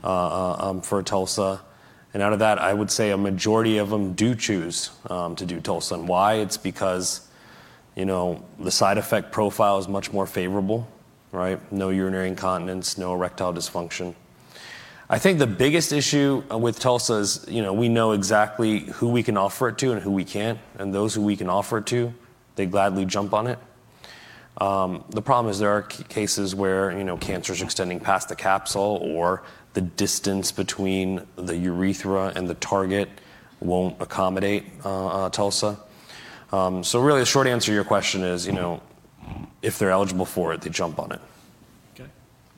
for TULSA. Out of that, I would say a majority of them do choose to do TULSA. Why? It's because the side effect profile is much more favorable. No urinary incontinence, no erectile dysfunction. I think the biggest issue with TULSA is we know exactly who we can offer it to and who we can't. Those who we can offer it to, they gladly jump on it. The problem is there are cases where cancer is extending past the capsule or the distance between the urethra and the target won't accommodate TULSA. So really, a short answer to your question is if they're eligible for it, they jump on it.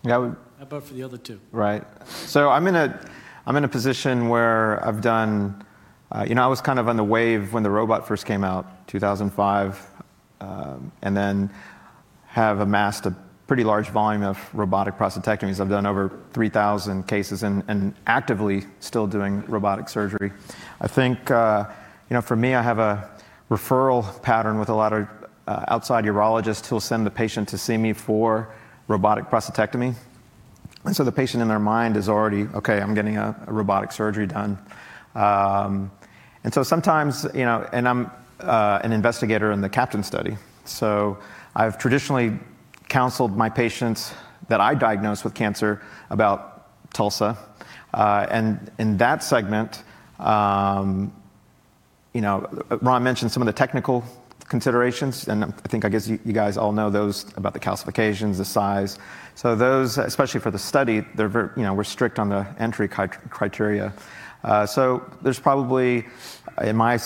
How about for the other two? Right. I am in a position where I've done, I was kind of on the wave when the robot first came out, 2005, and then have amassed a pretty large volume of robotic prostatectomies. I've done over 3,000 cases and actively still doing robotic surgery. I think for me, I have a referral pattern with a lot of outside urologists who will send the patient to see me for robotic prostatectomy. The patient in their mind is already, OK, I'm getting a robotic surgery done. Sometimes, and I'm an investigator in the CAPTAIN study. I've traditionally counseled my patients that I diagnosed with cancer about TULSA. In that segment, Ron mentioned some of the technical considerations. I think, I guess you guys all know those about the calcifications, the size. Those, especially for the study, they're very strict on the entry criteria. There's probably, in my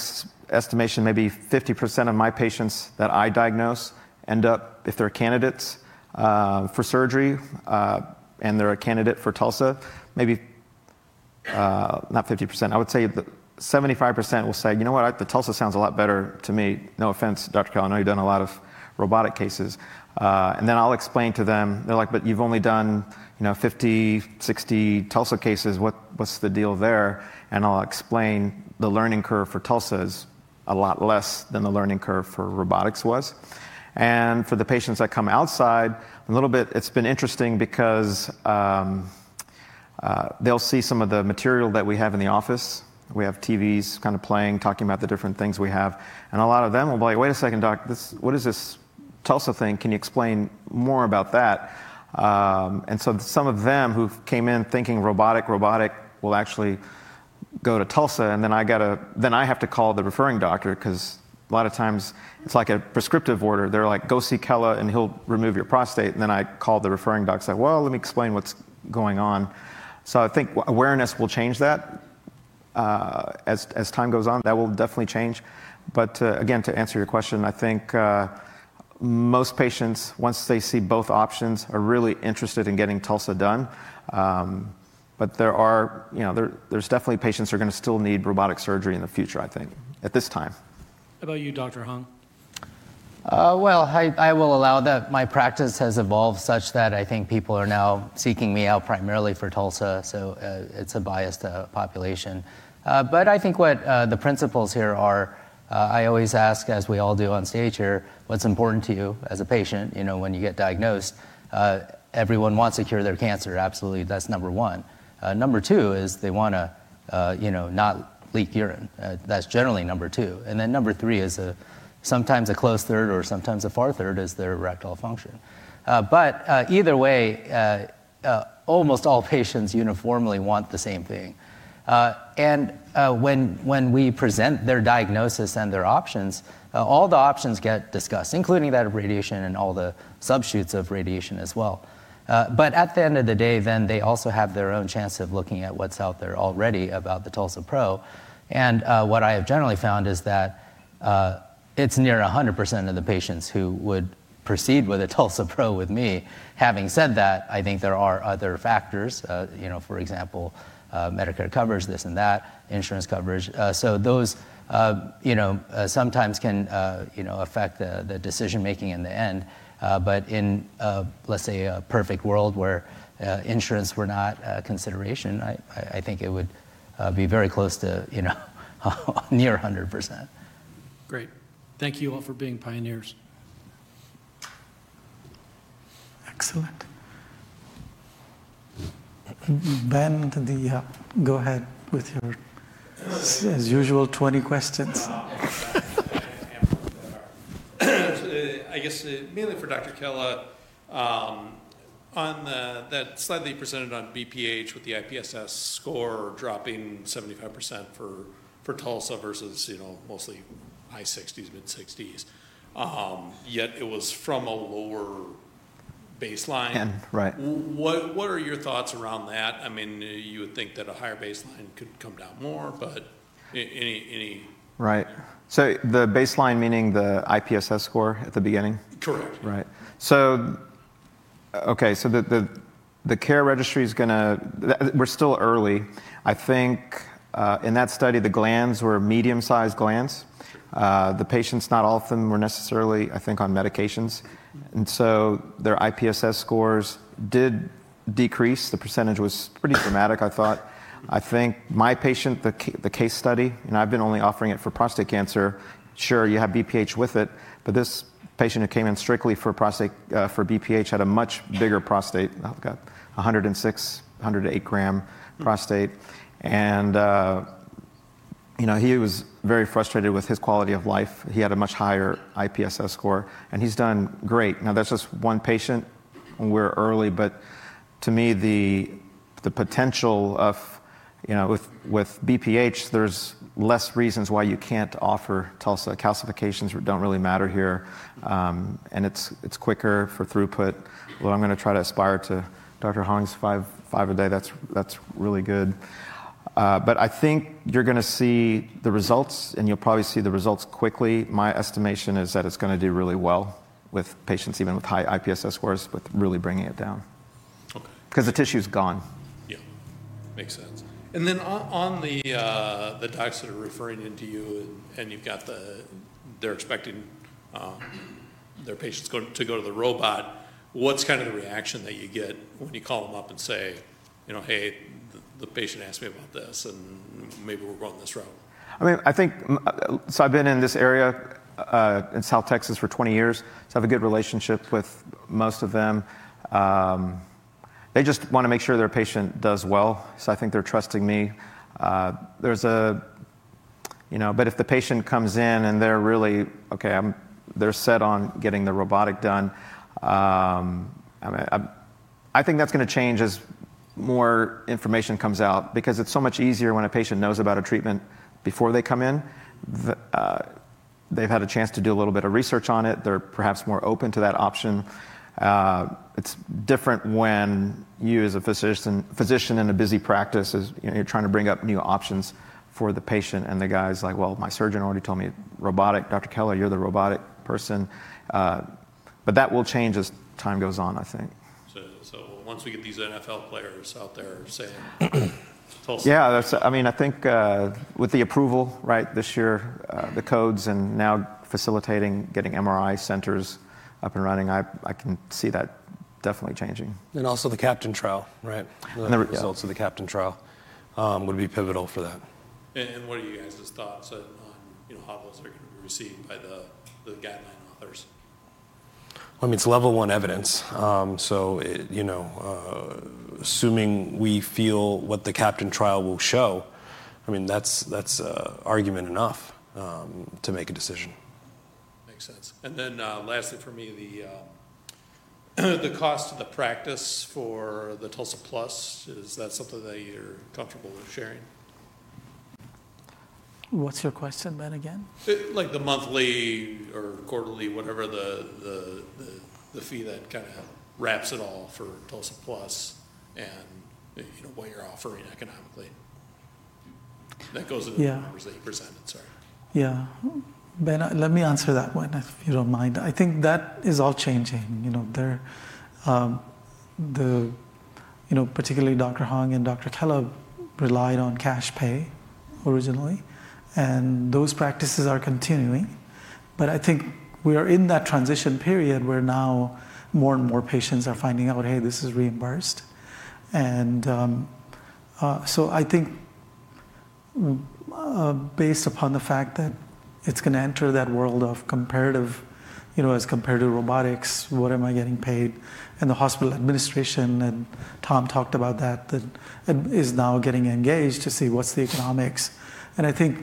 estimation, maybe 50% of my patients that I diagnose end up, if they're candidates for surgery and they're a candidate for TULSA, maybe not 50%. I would say 75% will say, you know what, the TULSA sounds a lot better to me. No offense, Dr. [Kella], I know you've done a lot of robotic cases. I explain to them, they're like, but you've only done 50, 60 TULSA cases. What's the deal there? I explain the learning curve for TULSA is a lot less than the learning curve for robotics was. For the patients that come outside, a little bit, it's been interesting because they'll see some of the material that we have in the office. We have TVs kind of playing, talking about the different things we have. A lot of them will be like, wait a second, doc, what is this TULSA thing? Can you explain more about that? Some of them who came in thinking robotic, robotic will actually go to TULSA. I have to call the referring doctor because a lot of times it's like a prescriptive order. They're like, go see Kella and he'll remove your prostate. I call the referring doctor and say, let me explain what's going on. I think awareness will change that. As time goes on, that will definitely change. To answer your question, I think most patients, once they see both options, are really interested in getting TULSA done. There are definitely patients who are going to still need robotic surgery in the future, I think, at this time. How about you, Dr. Hong? I will allow that my practice has evolved such that I think people are now seeking me out primarily for TULSA. It is a biased population. What the principles here are, I always ask, as we all do on stage here, what's important to you as a patient when you get diagnosed? Everyone wants to cure their cancer. Absolutely, that's number one. Number two is they want to not leak urine. That is generally number two. Number three is sometimes a close third or sometimes a far third, is their erectile function. Either way, almost all patients uniformly want the same thing. When we present their diagnosis and their options, all the options get discussed, including that of radiation and all the substitutes of radiation as well. At the end of the day, they also have their own chance of looking at what's out there already about the TULSA-PRO. What I have generally found is that it's near 100% of the patients who would proceed with a TULSA-PRO with me. Having said that, I think there are other factors. For example, Medicare covers this and that, insurance coverage. Those sometimes can affect the decision-making in the end. In, let's say, a perfect world where insurance were not a consideration, I think it would be very close to near 100%. Great. Thank you all for being pioneers. Excellent. Ben, go ahead with your, as usual, 20 questions. I guess mainly for Dr. Kella, on that slide that you presented on BPH with the IPSS score dropping 75% for TULSA versus mostly high 60s, mid 60s, yet it was from a lower baseline. 10, right. What are your thoughts around that? I mean, you would think that a higher baseline could come down more, but any. Right. The baseline, meaning the IPSS score at the beginning? Correct. Right. OK, so the CARE Registry is going to—we're still early. I think in that study, the glands were medium-sized glands. The patients, not all of them were necessarily, I think, on medications. Their IPSS scores did decrease. The percentage was pretty dramatic, I thought. I think my patient, the case study, and I've been only offering it for prostate cancer. Sure, you have BPH with it. This patient who came in strictly for BPH had a much bigger prostate. I've got 106 g, 108 g prostate. He was very frustrated with his quality of life. He had a much higher IPSS score. He's done great. Now, that's just one patient. We're early. To me, the potential with BPH, there's less reasons why you can't offer TULSA. Calcifications don't really matter here. It's quicker for throughput. I'm going to try to aspire to Dr. Hong's five a day. That's really good. I think you're going to see the results. You'll probably see the results quickly. My estimation is that it's going to do really well with patients even with high IPSS scores with really bringing it down. Because the tissue is gone. Yeah. Makes sense. On the docs that are referring in to you and you've got the, they're expecting their patients to go to the robot. What's kind of the reaction that you get when you call them up and say, hey, the patient asked me about this and maybe we'll go on this route? I mean, I think so I've been in this area in South Texas for 20 years. I have a good relationship with most of them. They just want to make sure their patient does well. I think they're trusting me. If the patient comes in and they're really, OK, they're set on getting the robotic done, I think that's going to change as more information comes out. It's so much easier when a patient knows about a treatment before they come in. They've had a chance to do a little bit of research on it. They're perhaps more open to that option. It's different when you, as a physician in a busy practice, you're trying to bring up new options for the patient. The guy's like, well, my surgeon already told me robotic. Dr. Kella, you're the robotic person. That will change as time goes on, I think. Once we get these NFL players out there saying TULSA. Yeah. I mean, I think with the approval, right, this year, the codes and now facilitating getting MRI Centers up and running, I can see that definitely changing. Also the CAPTAIN trial, right? The results of the CAPTAIN trial would be pivotal for that. What are you guys' thoughts on how those are going to be received by the guideline authors? I mean, it's level 1 evidence. Assuming we feel what the CAPTAIN trial will show, I mean, that's argument enough to make a decision. Makes sense. Lastly, for me, the cost of the practice for the TULSA Plus, is that something that you're comfortable with sharing? What's your question, Ben, again? Like the monthly or quarterly, whatever the fee that kind of wraps it all for TULSA Plus and what you're offering economically. That goes into the numbers that you presented, sorry. Yeah. Ben, let me answer that one, if you don't mind. I think that is all changing. Particularly, Dr. Hong and Dr. Kella relied on cash pay originally. Those practices are continuing. I think we are in that transition period where now more and more patients are finding out, hey, this is reimbursed. I think based upon the fact that it's going to enter that world of comparative, as compared to robotics, what am I getting paid? The hospital administration, and Tom talked about that, is now getting engaged to see what's the economics. I think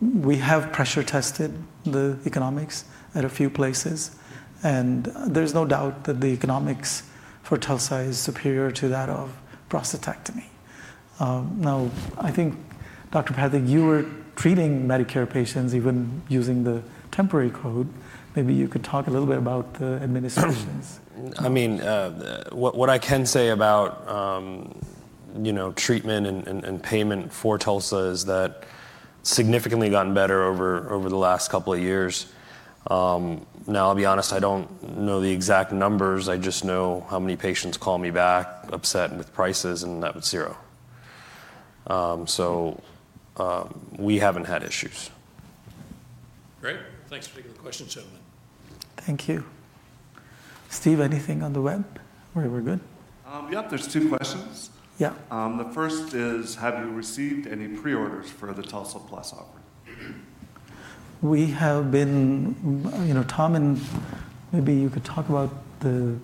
we have pressure tested the economics at a few places. There's no doubt that the economics for TULSA is superior to that of prostatectomy. I think, Dr. Pathak, you were treating Medicare patients even using the temporary code. Maybe you could talk a little bit about the administrations. I mean, what I can say about treatment and payment for TULSA is that it has significantly gotten better over the last couple of years. Now, I'll be honest, I don't know the exact numbers. I just know how many patients call me back upset with prices, and that was zero. So we haven't had issues. Great. Thanks for taking the question, gentlemen. Thank you. Steve, anything on the web? We're good? Yep, there's two questions. Yeah. The first is, have you received any pre-orders for the TULSA Plus offering? We have been. Tom, maybe you could talk about the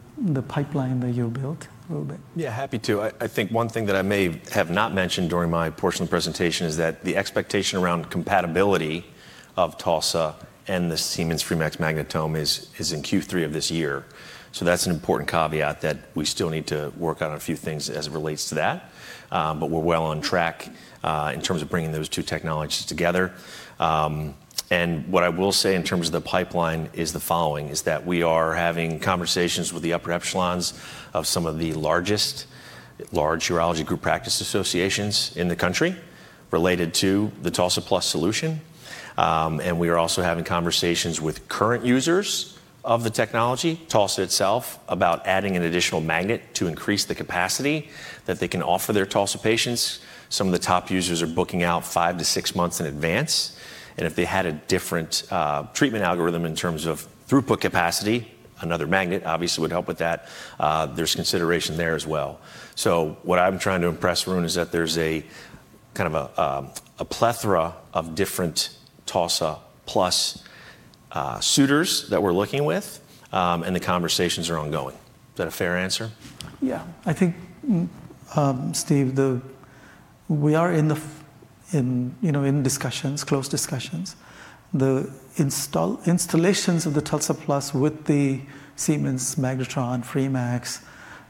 pipeline that you built a little bit. Yeah, happy to. I think one thing that I may have not mentioned during my portion of the presentation is that the expectation around compatibility of TULSA and the Siemens MAGNETOM Free.Max is in Q3 of this year. That's an important caveat that we still need to work out on a few things as it relates to that. We are well on track in terms of bringing those two technologies together. What I will say in terms of the pipeline is the following: we are having conversations with the upper echelons of some of the largest large urology group practice associations in the country related to the TULSA Plus solution. We are also having conversations with current users of the technology, TULSA itself, about adding an additional magnet to increase the capacity that they can offer their TULSA patients. Some of the top users are booking out five to six months in advance. If they had a different treatment algorithm in terms of throughput capacity, another magnet obviously would help with that. There is consideration there as well. What I am trying to impress, Arun, is that there is a kind of a plethora of different TULSA Plus suitors that we are looking with. The conversations are ongoing. Is that a fair answer? Yeah. I think, Steve, we are in discussions, close discussions. The installations of the TULSA Plus with the Siemens MAGNETOM Free.Max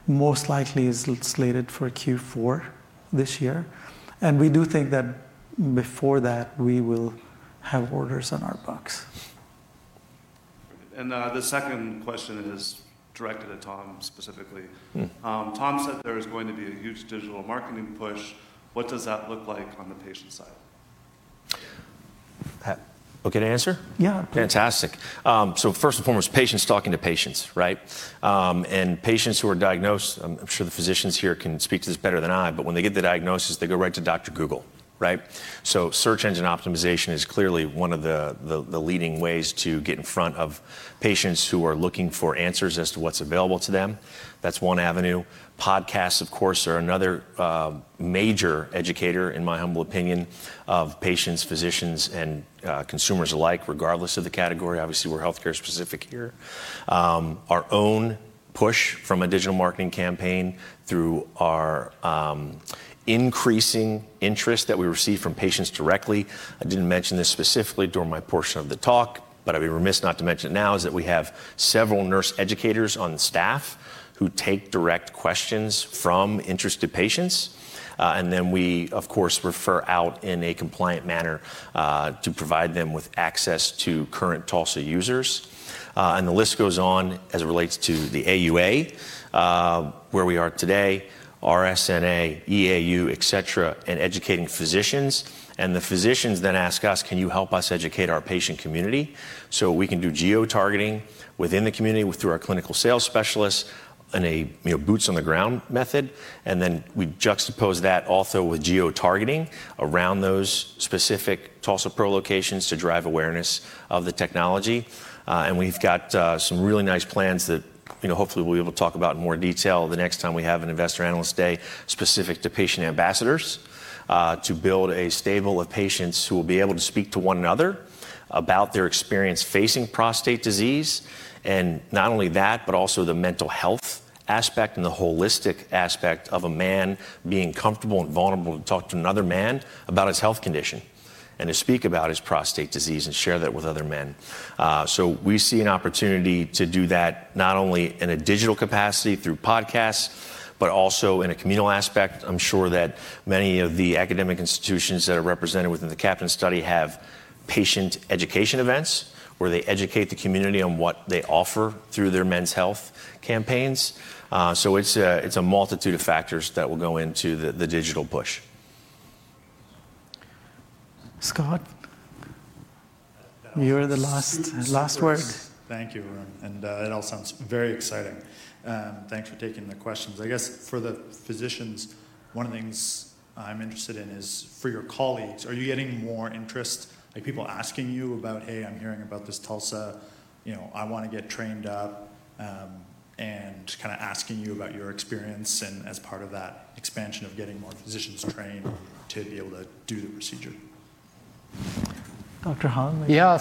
most likely is slated for Q4 this year. We do think that before that, we will have orders on our books. The second question is directed at Tom specifically. Tom said there is going to be a huge digital marketing push. What does that look like on the patient side? OK, to answer? Yeah. Fantastic. First and foremost, patients talking to patients, right? Patients who are diagnosed, I'm sure the physicians here can speak to this better than I, but when they get the diagnosis, they go right to Dr. Google, right? Search engine optimization is clearly one of the leading ways to get in front of patients who are looking for answers as to what's available to them. That's one avenue. Podcasts, of course, are another major educator, in my humble opinion, of patients, physicians, and consumers alike, regardless of the category. Obviously, we're health care specific here. Our own push from a digital marketing campaign through our increasing interest that we receive from patients directly. I did not mention this specifically during my portion of the talk, but I would be remiss not to mention it now is that we have several nurse educators on staff who take direct questions from interested patients. We, of course, refer out in a compliant manner to provide them with access to current TULSA users. The list goes on as it relates to the AUA, where we are today, RSNA, EAU, et cetera, and educating physicians. The physicians then ask us, can you help us educate our patient community so we can do geotargeting within the community through our clinical sales specialists in a boots-on-the-ground method. We juxtapose that also with geotargeting around those specific TULSA-PRO locations to drive awareness of the technology. We have some really nice plans that hopefully we'll be able to talk about in more detail the next time we have an investor analyst day specific to patient ambassadors to build a stable of patients who will be able to speak to one another about their experience facing prostate disease. Not only that, but also the mental health aspect and the holistic aspect of a man being comfortable and vulnerable to talk to another man about his health condition and to speak about his prostate disease and share that with other men. We see an opportunity to do that not only in a digital capacity through podcasts, but also in a communal aspect. I'm sure that many of the academic institutions that are represented within the CAPTAIN trial have patient education events where they educate the community on what they offer through their men's health campaigns. It is a multitude of factors that will go into the digital push. Scott, you're the last word. Thank you, Arun. It all sounds very exciting. Thanks for taking the questions. I guess for the physicians, one of the things I'm interested in is for your colleagues, are you getting more interest, like people asking you about, hey, I'm hearing about this TULSA, I want to get trained up, and kind of asking you about your experience as part of that expansion of getting more physicians trained to be able to do the procedure? Dr. Hong? Yeah.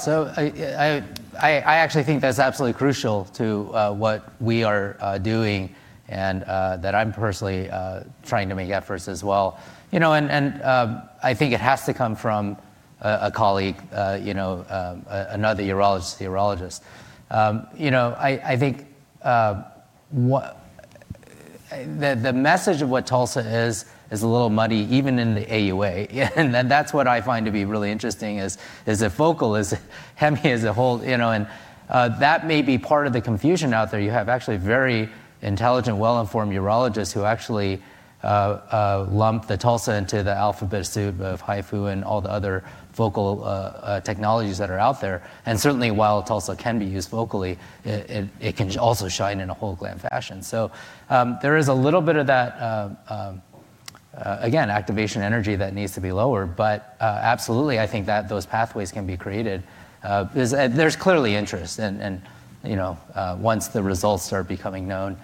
I actually think that's absolutely crucial to what we are doing and that I'm personally trying to make efforts as well. I think it has to come from a colleague, another urologist, urologist. I think the message of what TULSA is is a little muddy, even in the AUA. That's what I find to be really interesting is the focal, is hemi as a whole. That may be part of the confusion out there. You have actually very intelligent, well-informed urologists who actually lump the TULSA into the alphabet soup of HIFU and all the other focal technologies that are out there. Certainly, while TULSA can be used focally, it can also shine in a whole gland fashion. There is a little bit of that, again, activation energy that needs to be lowered. Absolutely, I think that those pathways can be created. There's clearly interest. Once the results are becoming known,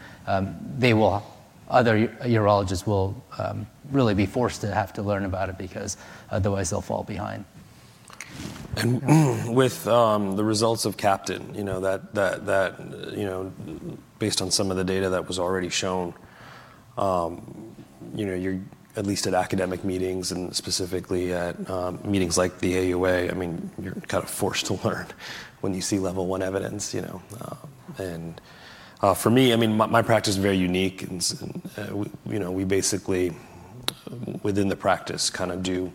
other urologists will really be forced to have to learn about it because otherwise they'll fall behind. With the results of CAPTAIN, based on some of the data that was already shown, at least at academic meetings and specifically at meetings like the AUA, I mean, you're kind of forced to learn when you see level 1 evidence. And for me, I mean, my practice is very unique. We basically, within the practice, kind of do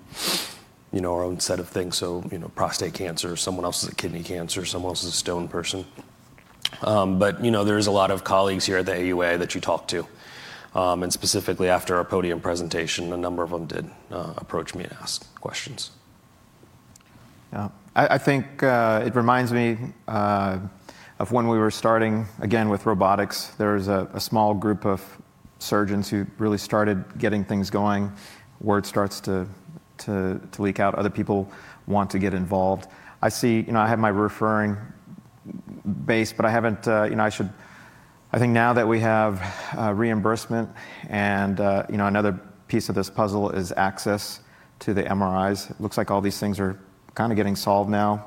our own set of things. So prostate cancer, someone else's kidney cancer, someone else's stone person. There is a lot of colleagues here at the AUA that you talk to. Specifically, after our podium presentation, a number of them did approach me and ask questions. Yeah. I think it reminds me of when we were starting, again, with robotics. There is a small group of surgeons who really started getting things going where it starts to leak out. Other people want to get involved. I see I have my referring base, but I haven't—I think now that we have reimbursement and another piece of this puzzle is access to the MRIs. It looks like all these things are kind of getting solved now,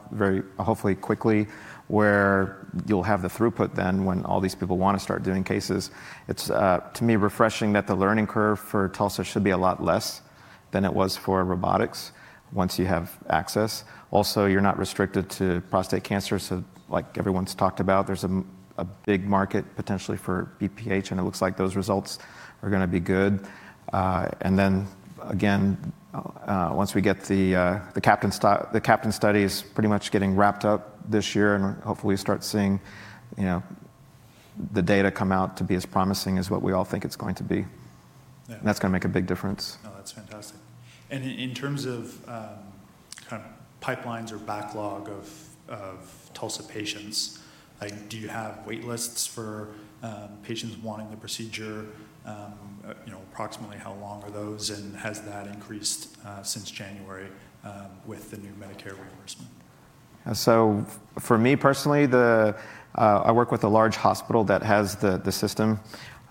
hopefully quickly, where you'll have the throughput then when all these people want to start doing cases. It's, to me, refreshing that the learning curve for TULSA should be a lot less than it was for robotics once you have access. Also, you're not restricted to prostate cancer. Like everyone's talked about, there's a big market potentially for BPH. It looks like those results are going to be good. Once we get the CAPTAIN studies pretty much getting wrapped up this year, and hopefully start seeing the data come out to be as promising as what we all think it's going to be. That's going to make a big difference. Oh, that's fantastic. In terms of kind of pipelines or backlog of TULSA patients, do you have waitlists for patients wanting the procedure? Approximately how long are those? Has that increased since January with the new Medicare reimbursement? For me personally, I work with a large hospital that has the system.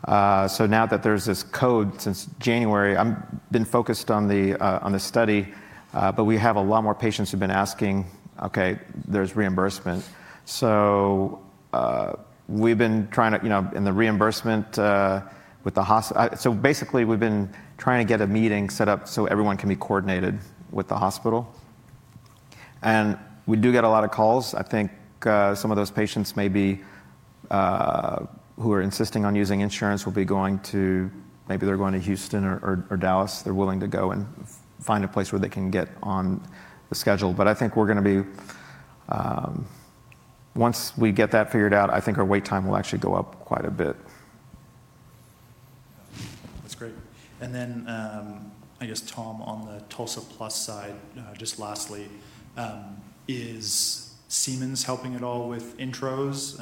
Now that there's this code since January, I've been focused on the study. We have a lot more patients who've been asking, OK, there's reimbursement. We've been trying to get the reimbursement with the hospital. Basically, we've been trying to get a meeting set up so everyone can be coordinated with the hospital. We do get a lot of calls. I think some of those patients, maybe who are insisting on using insurance, will be going to maybe they're going to Houston or Dallas. They're willing to go and find a place where they can get on the schedule. I think we're going to be, once we get that figured out, I think our wait time will actually go up quite a bit. That's great. I guess, Tom, on the TULSA Plus side, just lastly, is Siemens helping at all with intros?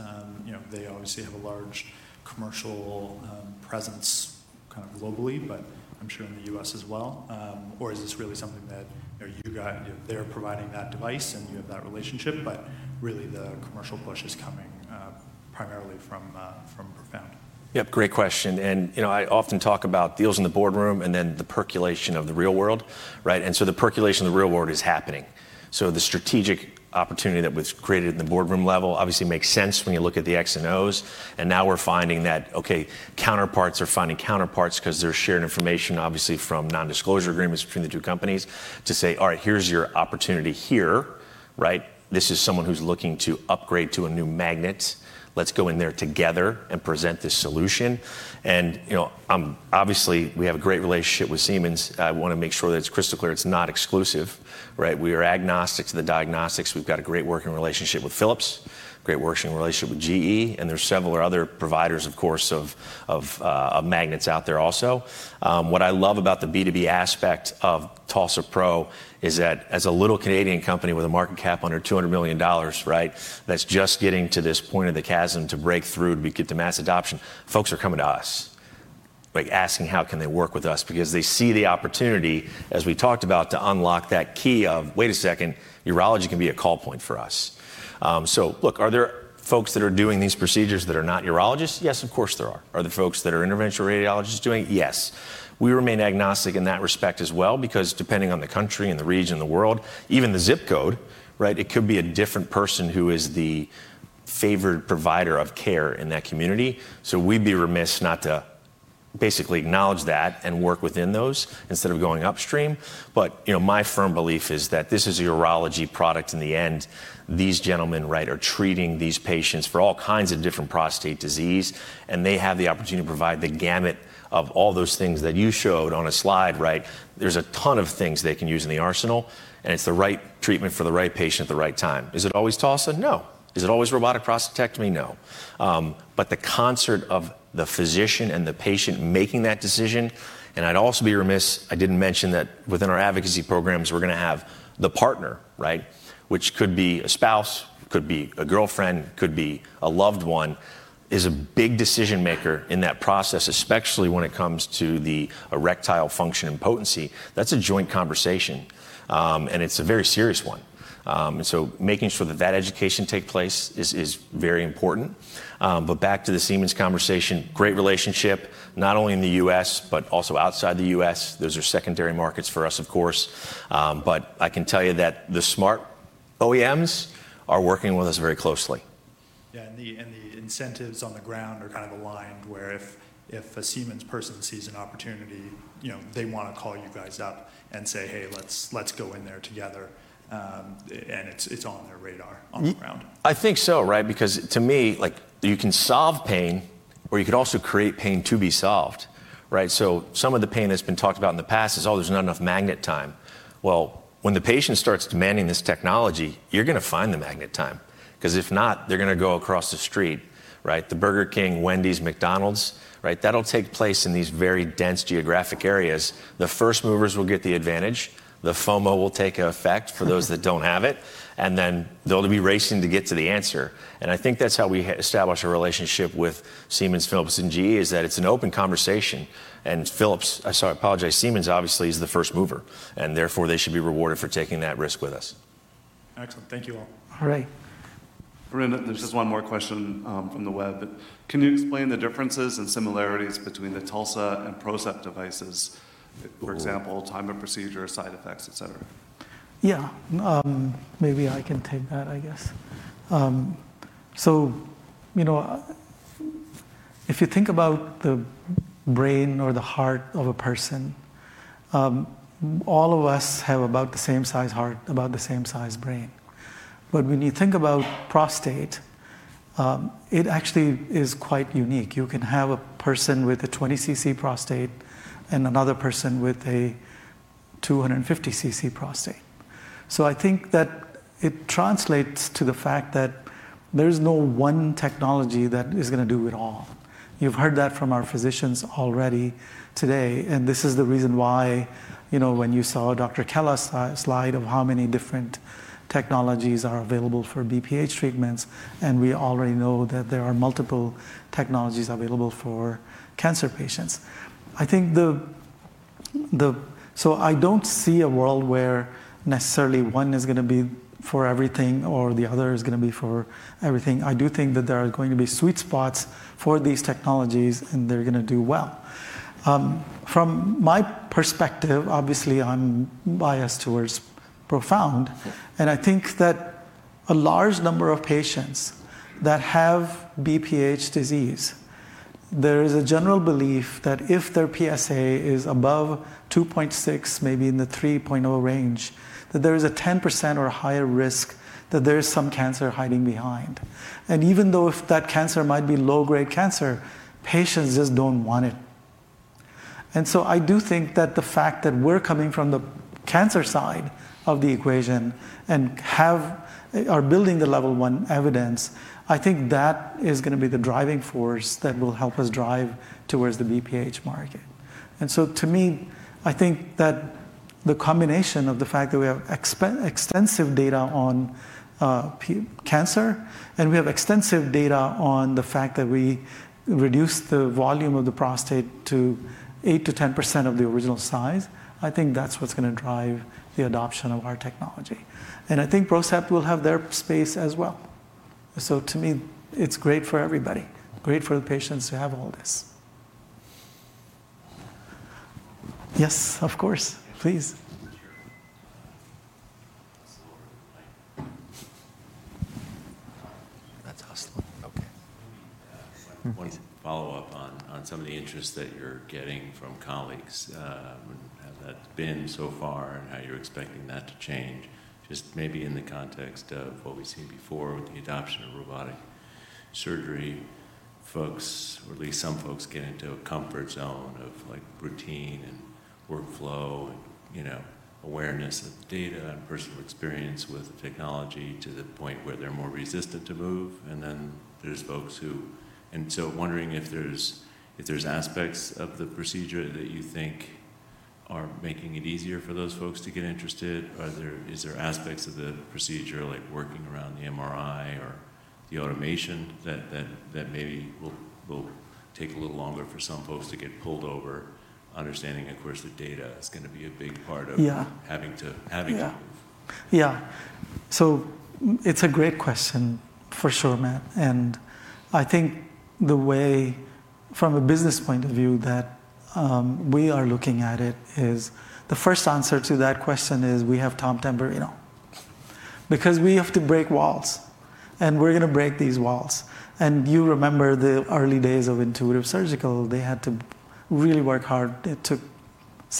They obviously have a large commercial presence kind of globally, but I'm sure in the U.S. as well. Is this really something that you got, they're providing that device, and you have that relationship? Really, the commercial push is coming primarily from Profound. Yep, great question. I often talk about deals in the boardroom and then the percolation of the real world, right? The percolation of the real world is happening. The strategic opportunity that was created at the boardroom level obviously makes sense when you look at the X and O's. Now we're finding that, OK, counterparts are finding counterparts because they're sharing information, obviously, from non-disclosure agreements between the two companies to say, all right, here's your opportunity here, right? This is someone who's looking to upgrade to a new magnet. Let's go in there together and present this solution. Obviously, we have a great relationship with Siemens. I want to make sure that it's crystal clear it's not exclusive, right? We are agnostic to the diagnostics. We've got a great working relationship with Philips, great working relationship with GE. There are several other providers, of course, of magnets out there also. What I love about the B2B aspect of TULSA-PRO is that as a little Canadian company with a market cap under $200 million, right, that's just getting to this point of the chasm to break through to get the mass adoption, folks are coming to us asking how can they work with us because they see the opportunity, as we talked about, to unlock that key of, wait a second, urology can be a call point for us. Look, are there folks that are doing these procedures that are not urologists? Yes, of course there are. Are there folks that are interventional radiologists doing it? Yes. We remain agnostic in that respect as well because depending on the country and the region and the world, even the zip code, right, it could be a different person who is the favored provider of care in that community. We would be remiss not to basically acknowledge that and work within those instead of going upstream. My firm belief is that this is a urology product. In the end, these gentlemen, right, are treating these patients for all kinds of different prostate disease. They have the opportunity to provide the gamut of all those things that you showed on a slide, right? There is a ton of things they can use in the arsenal. It is the right treatment for the right patient at the right time. Is it always TULSA? No. Is it always robotic prostatectomy? No. The concert of the physician and the patient making that decision, and I'd also be remiss if I didn't mention that within our advocacy programs, we're going to have the partner, right, which could be a spouse, could be a girlfriend, could be a loved one, is a big decision maker in that process, especially when it comes to the erectile function and potency. That is a joint conversation. It is a very serious one. Making sure that education takes place is very important. Back to the Siemens conversation, great relationship, not only in the U.S., but also outside the U.S. Those are secondary markets for us, of course. I can tell you that the smart OEMs are working with us very closely. Yeah. The incentives on the ground are kind of aligned where if a Siemens person sees an opportunity, they want to call you guys up and say, hey, let's go in there together. It's on their radar on the ground. I think so, right? Because to me, you can solve pain, or you could also create pain to be solved, right? Some of the pain that's been talked about in the past is, oh, there's not enough magnet time. When the patient starts demanding this technology, you're going to find the magnet time. If not, they're going to go across the street, right? The Burger King, Wendy's, McDonald's, right? That'll take place in these very dense geographic areas. The first movers will get the advantage. The FOMO will take effect for those that don't have it. They'll be racing to get to the answer. I think that's how we establish a relationship with Siemens, Philips, and GE is that it's an open conversation. Philips, I apologize, Siemens obviously is the first mover. Therefore, they should be rewarded for taking that risk with us. Excellent. Thank you all. All right. Arun, this is one more question from the web. Can you explain the differences and similarities between the TULSA and Procept devices, for example, time of procedure, side effects, et cetera? Yeah. Maybe I can take that, I guess. If you think about the brain or the heart of a person, all of us have about the same size heart, about the same size brain. When you think about prostate, it actually is quite unique. You can have a person with a 20 cc prostate and another person with a 250 cc prostate. I think that it translates to the fact that there is no one technology that is going to do it all. You've heard that from our physicians already today. This is the reason why when you saw Dr. Kella's slide of how many different technologies are available for BPH treatments, and we already know that there are multiple technologies available for cancer patients. I think the, so I don't see a world where necessarily one is going to be for everything or the other is going to be for everything. I do think that there are going to be sweet spots for these technologies, and they're going to do well. From my perspective, obviously, I'm biased towards Profound. And I think that a large number of patients that have BPH disease, there is a general belief that if their PSA is above 2.6, maybe in the 3.0 range, that there is a 10% or higher risk that there is some cancer hiding behind. And even though if that cancer might be low-grade cancer, patients just don't want it. I do think that the fact that we're coming from the cancer side of the equation and are building the level one evidence, I think that is going to be the driving force that will help us drive towards the BPH market. To me, I think that the combination of the fact that we have extensive data on cancer and we have extensive data on the fact that we reduce the volume of the prostate to 8%-10% of the original size, I think that's what's going to drive the adoption of our technology. I think Procept will have their space as well. To me, it's great for everybody, great for the patients to have all this. Yes, of course. Please. That's awesome. OK. Just follow up on some of the interest that you're getting from colleagues, how that's been so far and how you're expecting that to change. Just maybe in the context of what we've seen before with the adoption of robotic surgery, folks, or at least some folks, get into a comfort zone of routine and workflow and awareness of data and personal experience with the technology to the point where they're more resistant to move. Then there's folks who, and so wondering if there's aspects of the procedure that you think are making it easier for those folks to get interested. Are there aspects of the procedure like working around the MRI or the automation that maybe will take a little longer for some folks to get pulled over, understanding, of course, the data is going to be a big part of having to move? Yeah. It is a great question for sure, Matt. I think the way from a business point of view that we are looking at it is the first answer to that question is we have Tom Tamberrino now. Because we have to break walls. We are going to break these walls. You remember the early days of Intuitive Surgical. They had to really work hard. It took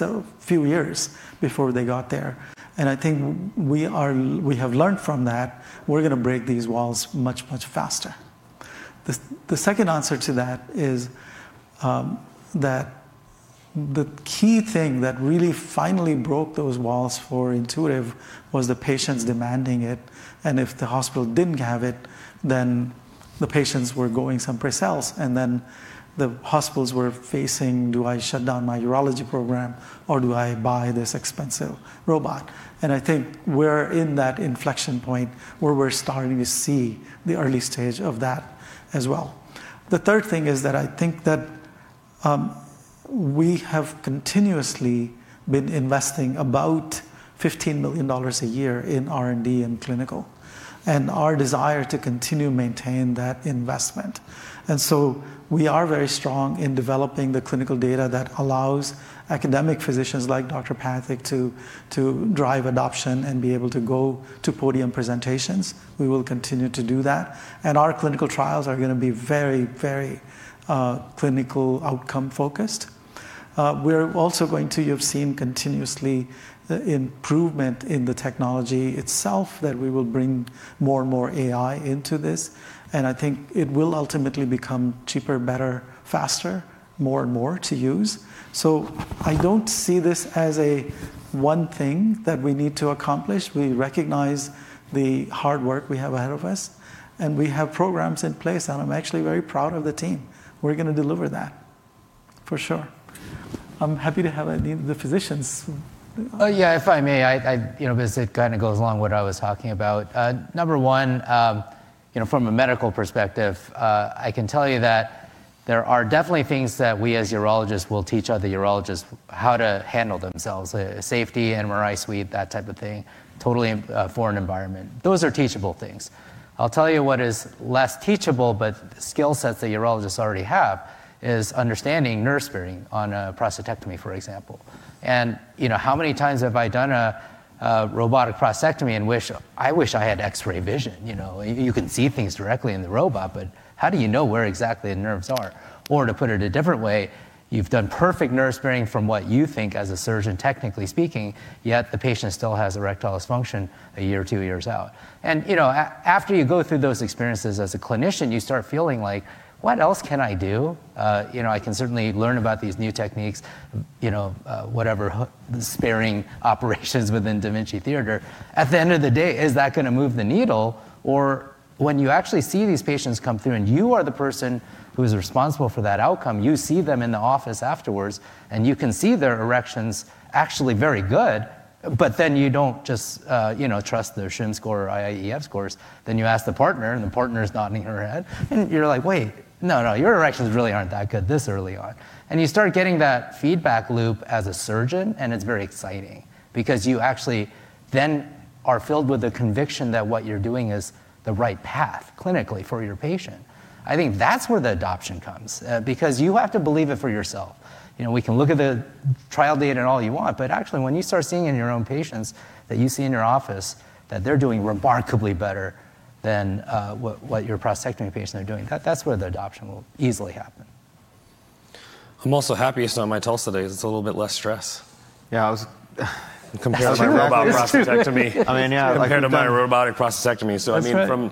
a few years before they got there. I think we have learned from that. We are going to break these walls much, much faster. The second answer to that is that the key thing that really finally broke those walls for Intuitive was the patients demanding it. If the hospital did not have it, then the patients were going some place else. The hospitals were facing, do I shut down my urology program, or do I buy this expensive robot? I think we're in that inflection point where we're starting to see the early stage of that as well. The third thing is that I think that we have continuously been investing about $15 million a year in R&D and clinical and our desire to continue to maintain that investment. We are very strong in developing the clinical data that allows academic physicians like Dr. Pathak to drive adoption and be able to go to podium presentations. We will continue to do that. Our clinical trials are going to be very, very clinical outcome focused. We're also going to, you've seen, continuously improvement in the technology itself that we will bring more and more AI into this. I think it will ultimately become cheaper, better, faster, more and more to use. I do not see this as a one thing that we need to accomplish. We recognize the hard work we have ahead of us. We have programs in place. I am actually very proud of the team. We are going to deliver that for sure. I am happy to have the physicians. Oh, yeah, if I may, because it kind of goes along with what I was talking about. Number one, from a medical perspective, I can tell you that there are definitely things that we as urologists will teach other urologists how to handle themselves: safety, MRI Suite, that type of thing, totally a foreign environment. Those are teachable things. I'll tell you what is less teachable, but skill sets that urologists already have is understanding nerve sparing on a prostatectomy, for example. How many times have I done a robotic prostatectomy and wish I had X-ray vision? You can see things directly in the robot, but how do you know where exactly the nerves are? To put it a different way, you've done perfect nerve sparing from what you think as a surgeon, technically speaking, yet the patient still has erectile dysfunction a year or two years out. After you go through those experiences as a clinician, you start feeling like, what else can I do? I can certainly learn about these new techniques, whatever sparing operations within Da Vinci system. At the end of the day, is that going to move the needle? When you actually see these patients come through and you are the person who is responsible for that outcome, you see them in the office afterwards, and you can see their erections actually very good, but then you do not just trust their [Schoen] score or IIEF scores. You ask the partner, and the partner's nodding her head. You are like, wait, no, no, your erections really are not that good this early on. You start getting that feedback loop as a surgeon, and it's very exciting because you actually then are filled with the conviction that what you're doing is the right path clinically for your patient. I think that's where the adoption comes because you have to believe it for yourself. We can look at the trial data and all you want, but actually, when you start seeing in your own patients that you see in your office that they're doing remarkably better than what your prostatectomy patients are doing, that's where the adoption will easily happen. I'm also happy on my TULSA days. It's a little bit less stress. Yeah. Compared to my robotic prostatectomy. I mean, yeah, compared to my robotic prostatectomy. I mean,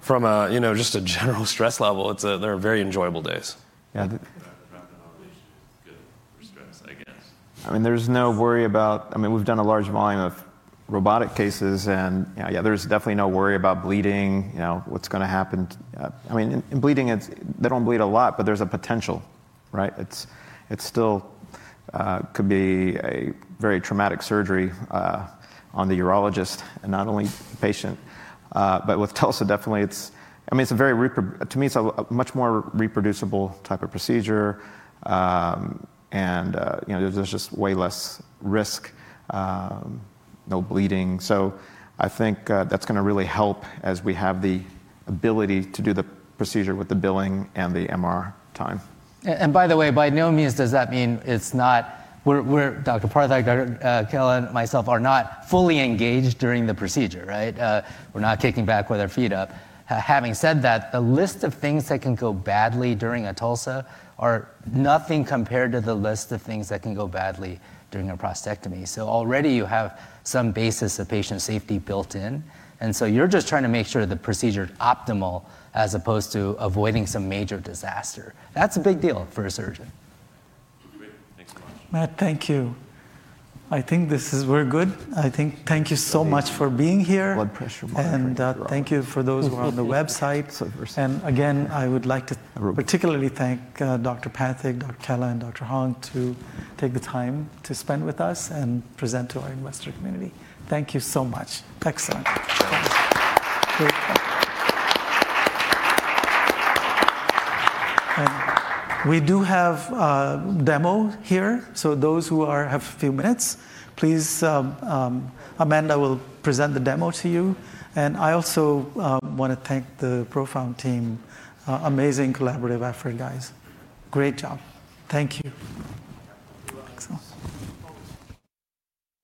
from just a general stress level, they're very enjoyable days. Yeah. The prophylaxis is good for stress, I guess. I mean, there's no worry about, I mean, we've done a large volume of robotic cases. Yeah, there's definitely no worry about bleeding, what's going to happen. I mean, in bleeding, they don't bleed a lot, but there's a potential, right? It still could be a very traumatic surgery on the urologist and not only the patient. With TULSA, definitely, I mean, to me, it's a much more reproducible type of procedure. There's just way less risk, no bleeding. I think that's going to really help as we have the ability to do the procedure with the billing and the MR time. By the way, by no means does that mean Dr. Arun, Kella, and myself are not fully engaged during the procedure, right? We're not kicking back with our feet up. Having said that, the list of things that can go badly during a TULSA are nothing compared to the list of things that can go badly during a prostatectomy. Already, you have some basis of patient safety built in. You are just trying to make sure the procedure is optimal as opposed to avoiding some major disaster. That is a big deal for a surgeon. Great. Thanks so much. Matt, thank you. I think this is, we're good. I think, thank you so much for being here. Blood pressure. Thank you for those who are on the website. Again, I would like to particularly thank Dr. Pathak, Dr. Kella, and Dr. Hong for taking the time to spend with us and present to our investor community. Thank you so much. Excellent. We do have a demo here. Those who have a few minutes, please, Amanda will present the demo to you. I also want to thank the Profound team, amazing collaborative effort, guys. Great job. Thank you.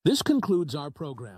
This concludes our program.